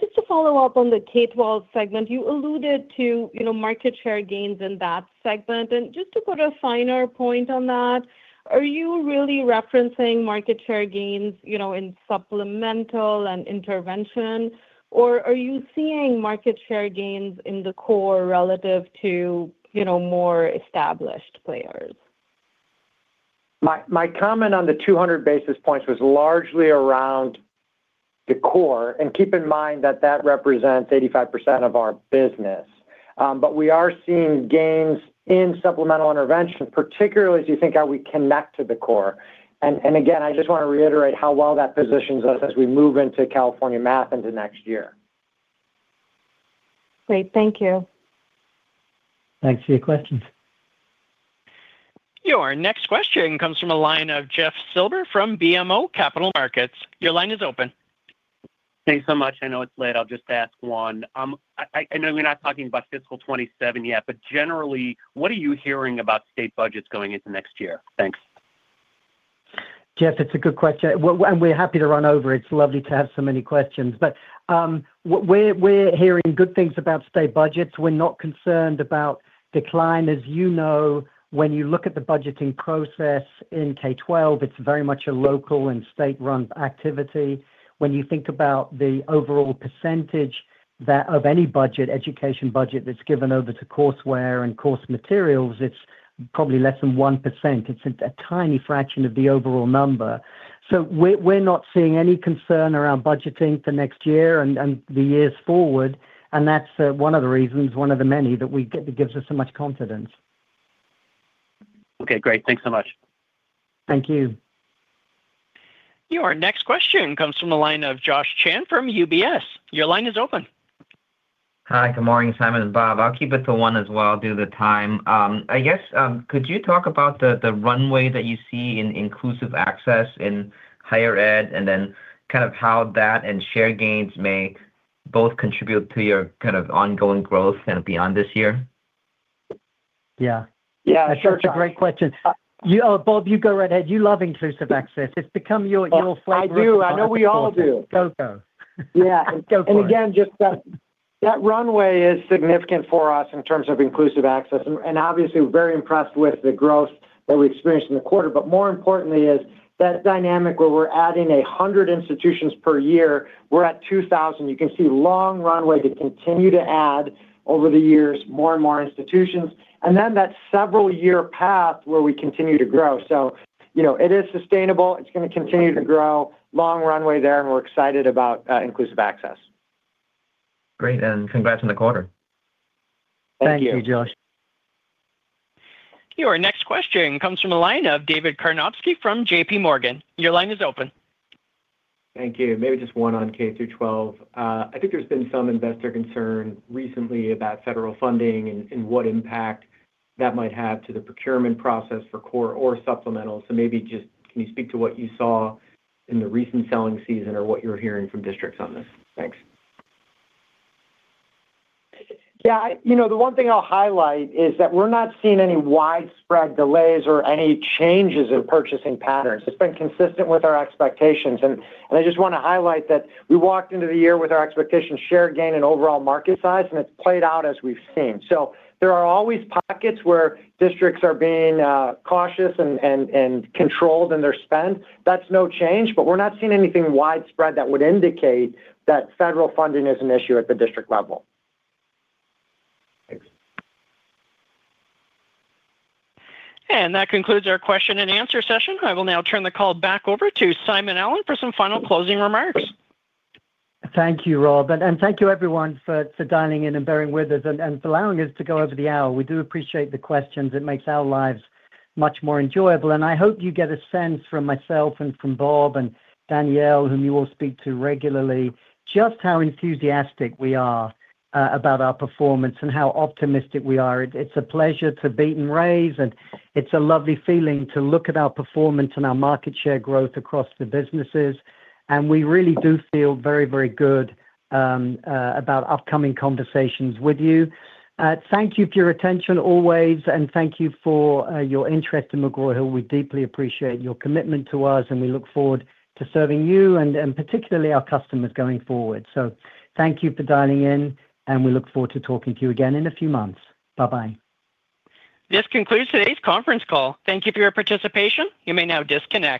Just to follow up on the K-12 segment, you alluded to market share gains in that segment. Just to put a finer point on that, are you really referencing market share gains in supplemental and intervention, or are you seeing market share gains in the core relative to more established players? My comment on the 200 basis points was largely around the core. Keep in mind that that represents 85% of our business. We are seeing gains in supplemental intervention, particularly as you think how we connect to the core. I just want to reiterate how well that positions us as we move into California math into next year. Great. Thank you. Thanks for your questions. Your next question comes from a line of Jeff Silber from BMO Capital Markets. Your line is open. Thanks so much. I know it's late. I'll just ask one. I know we're not talking about fiscal 2027 yet, but generally, what are you hearing about state budgets going into next year? Thanks. Jeff, it's a good question. We're happy to run over. It's lovely to have so many questions. We're hearing good things about state budgets. We're not concerned about decline. As you know, when you look at the budgeting process in K-12, it's very much a local and state-run activity. When you think about the overall percentage of any education budget that's given over to courseware and course materials, it's probably less than 1%. It's a tiny fraction of the overall number. We're not seeing any concern around budgeting for next year and the years forward. That's one of the reasons, one of the many, that gives us so much confidence. Okay. Great. Thanks so much. Thank you. Your next question comes from a line of Josh Chan from UBS. Your line is open. Hi. Good morning, Simon and Bob. I'll keep it to one as well due to the time. I guess, could you talk about the runway that you see in inclusive access in higher ed and then kind of how that and share gains may both contribute to your kind of ongoing growth kind of beyond this year? Yeah. Yeah. Sure. It's a great question. Bob, you go right ahead. You love inclusive access. It's become your flagship. I do. I know we all do. Go-go. Yeah. Again, just that runway is significant for us in terms of inclusive access. Obviously, we're very impressed with the growth that we experienced in the quarter. More importantly, is that dynamic where we're adding 100 institutions per year, we're at 2,000. You can see long runway to continue to add over the years more and more institutions. That several-year path where we continue to grow. It is sustainable. It's going to continue to grow. Long runway there, and we're excited about inclusive access. Great. Congrats on the quarter. Thank you. Thank you, Josh. Your next question comes from a line of David Karnovsky from JPMorgan. Your line is open. Thank you. Maybe just one on K-12. I think there has been some investor concern recently about federal funding and what impact that might have to the procurement process for core or supplemental. Maybe just can you speak to what you saw in the recent selling season or what you are hearing from districts on this? Thanks. Yeah. The one thing I'll highlight is that we're not seeing any widespread delays or any changes in purchasing patterns. It's been consistent with our expectations. I just want to highlight that we walked into the year with our expectation of share gain and overall market size, and it's played out as we've seen. There are always pockets where districts are being cautious and controlled in their spend. That's no change, but we're not seeing anything widespread that would indicate that federal funding is an issue at the district level. Thanks. That concludes our question and answer session. I will now turn the call back over to Simon Allen for some final closing remarks. Thank you, Rob. Thank you, everyone, for dialing in and bearing with us and for allowing us to go over the hour. We do appreciate the questions. It makes our lives much more enjoyable. I hope you get a sense from myself and from Bob and Danielle, whom you will speak to regularly, just how enthusiastic we are about our performance and how optimistic we are. It is a pleasure to beat and raise, and it is a lovely feeling to look at our performance and our market share growth across the businesses. We really do feel very, very good about upcoming conversations with you. Thank you for your attention always, and thank you for your interest in McGraw Hill. We deeply appreciate your commitment to us, and we look forward to serving you and particularly our customers going forward. Thank you for dialing in, and we look forward to talking to you again in a few months. Bye-bye. This concludes today's conference call. Thank you for your participation. You may now disconnect.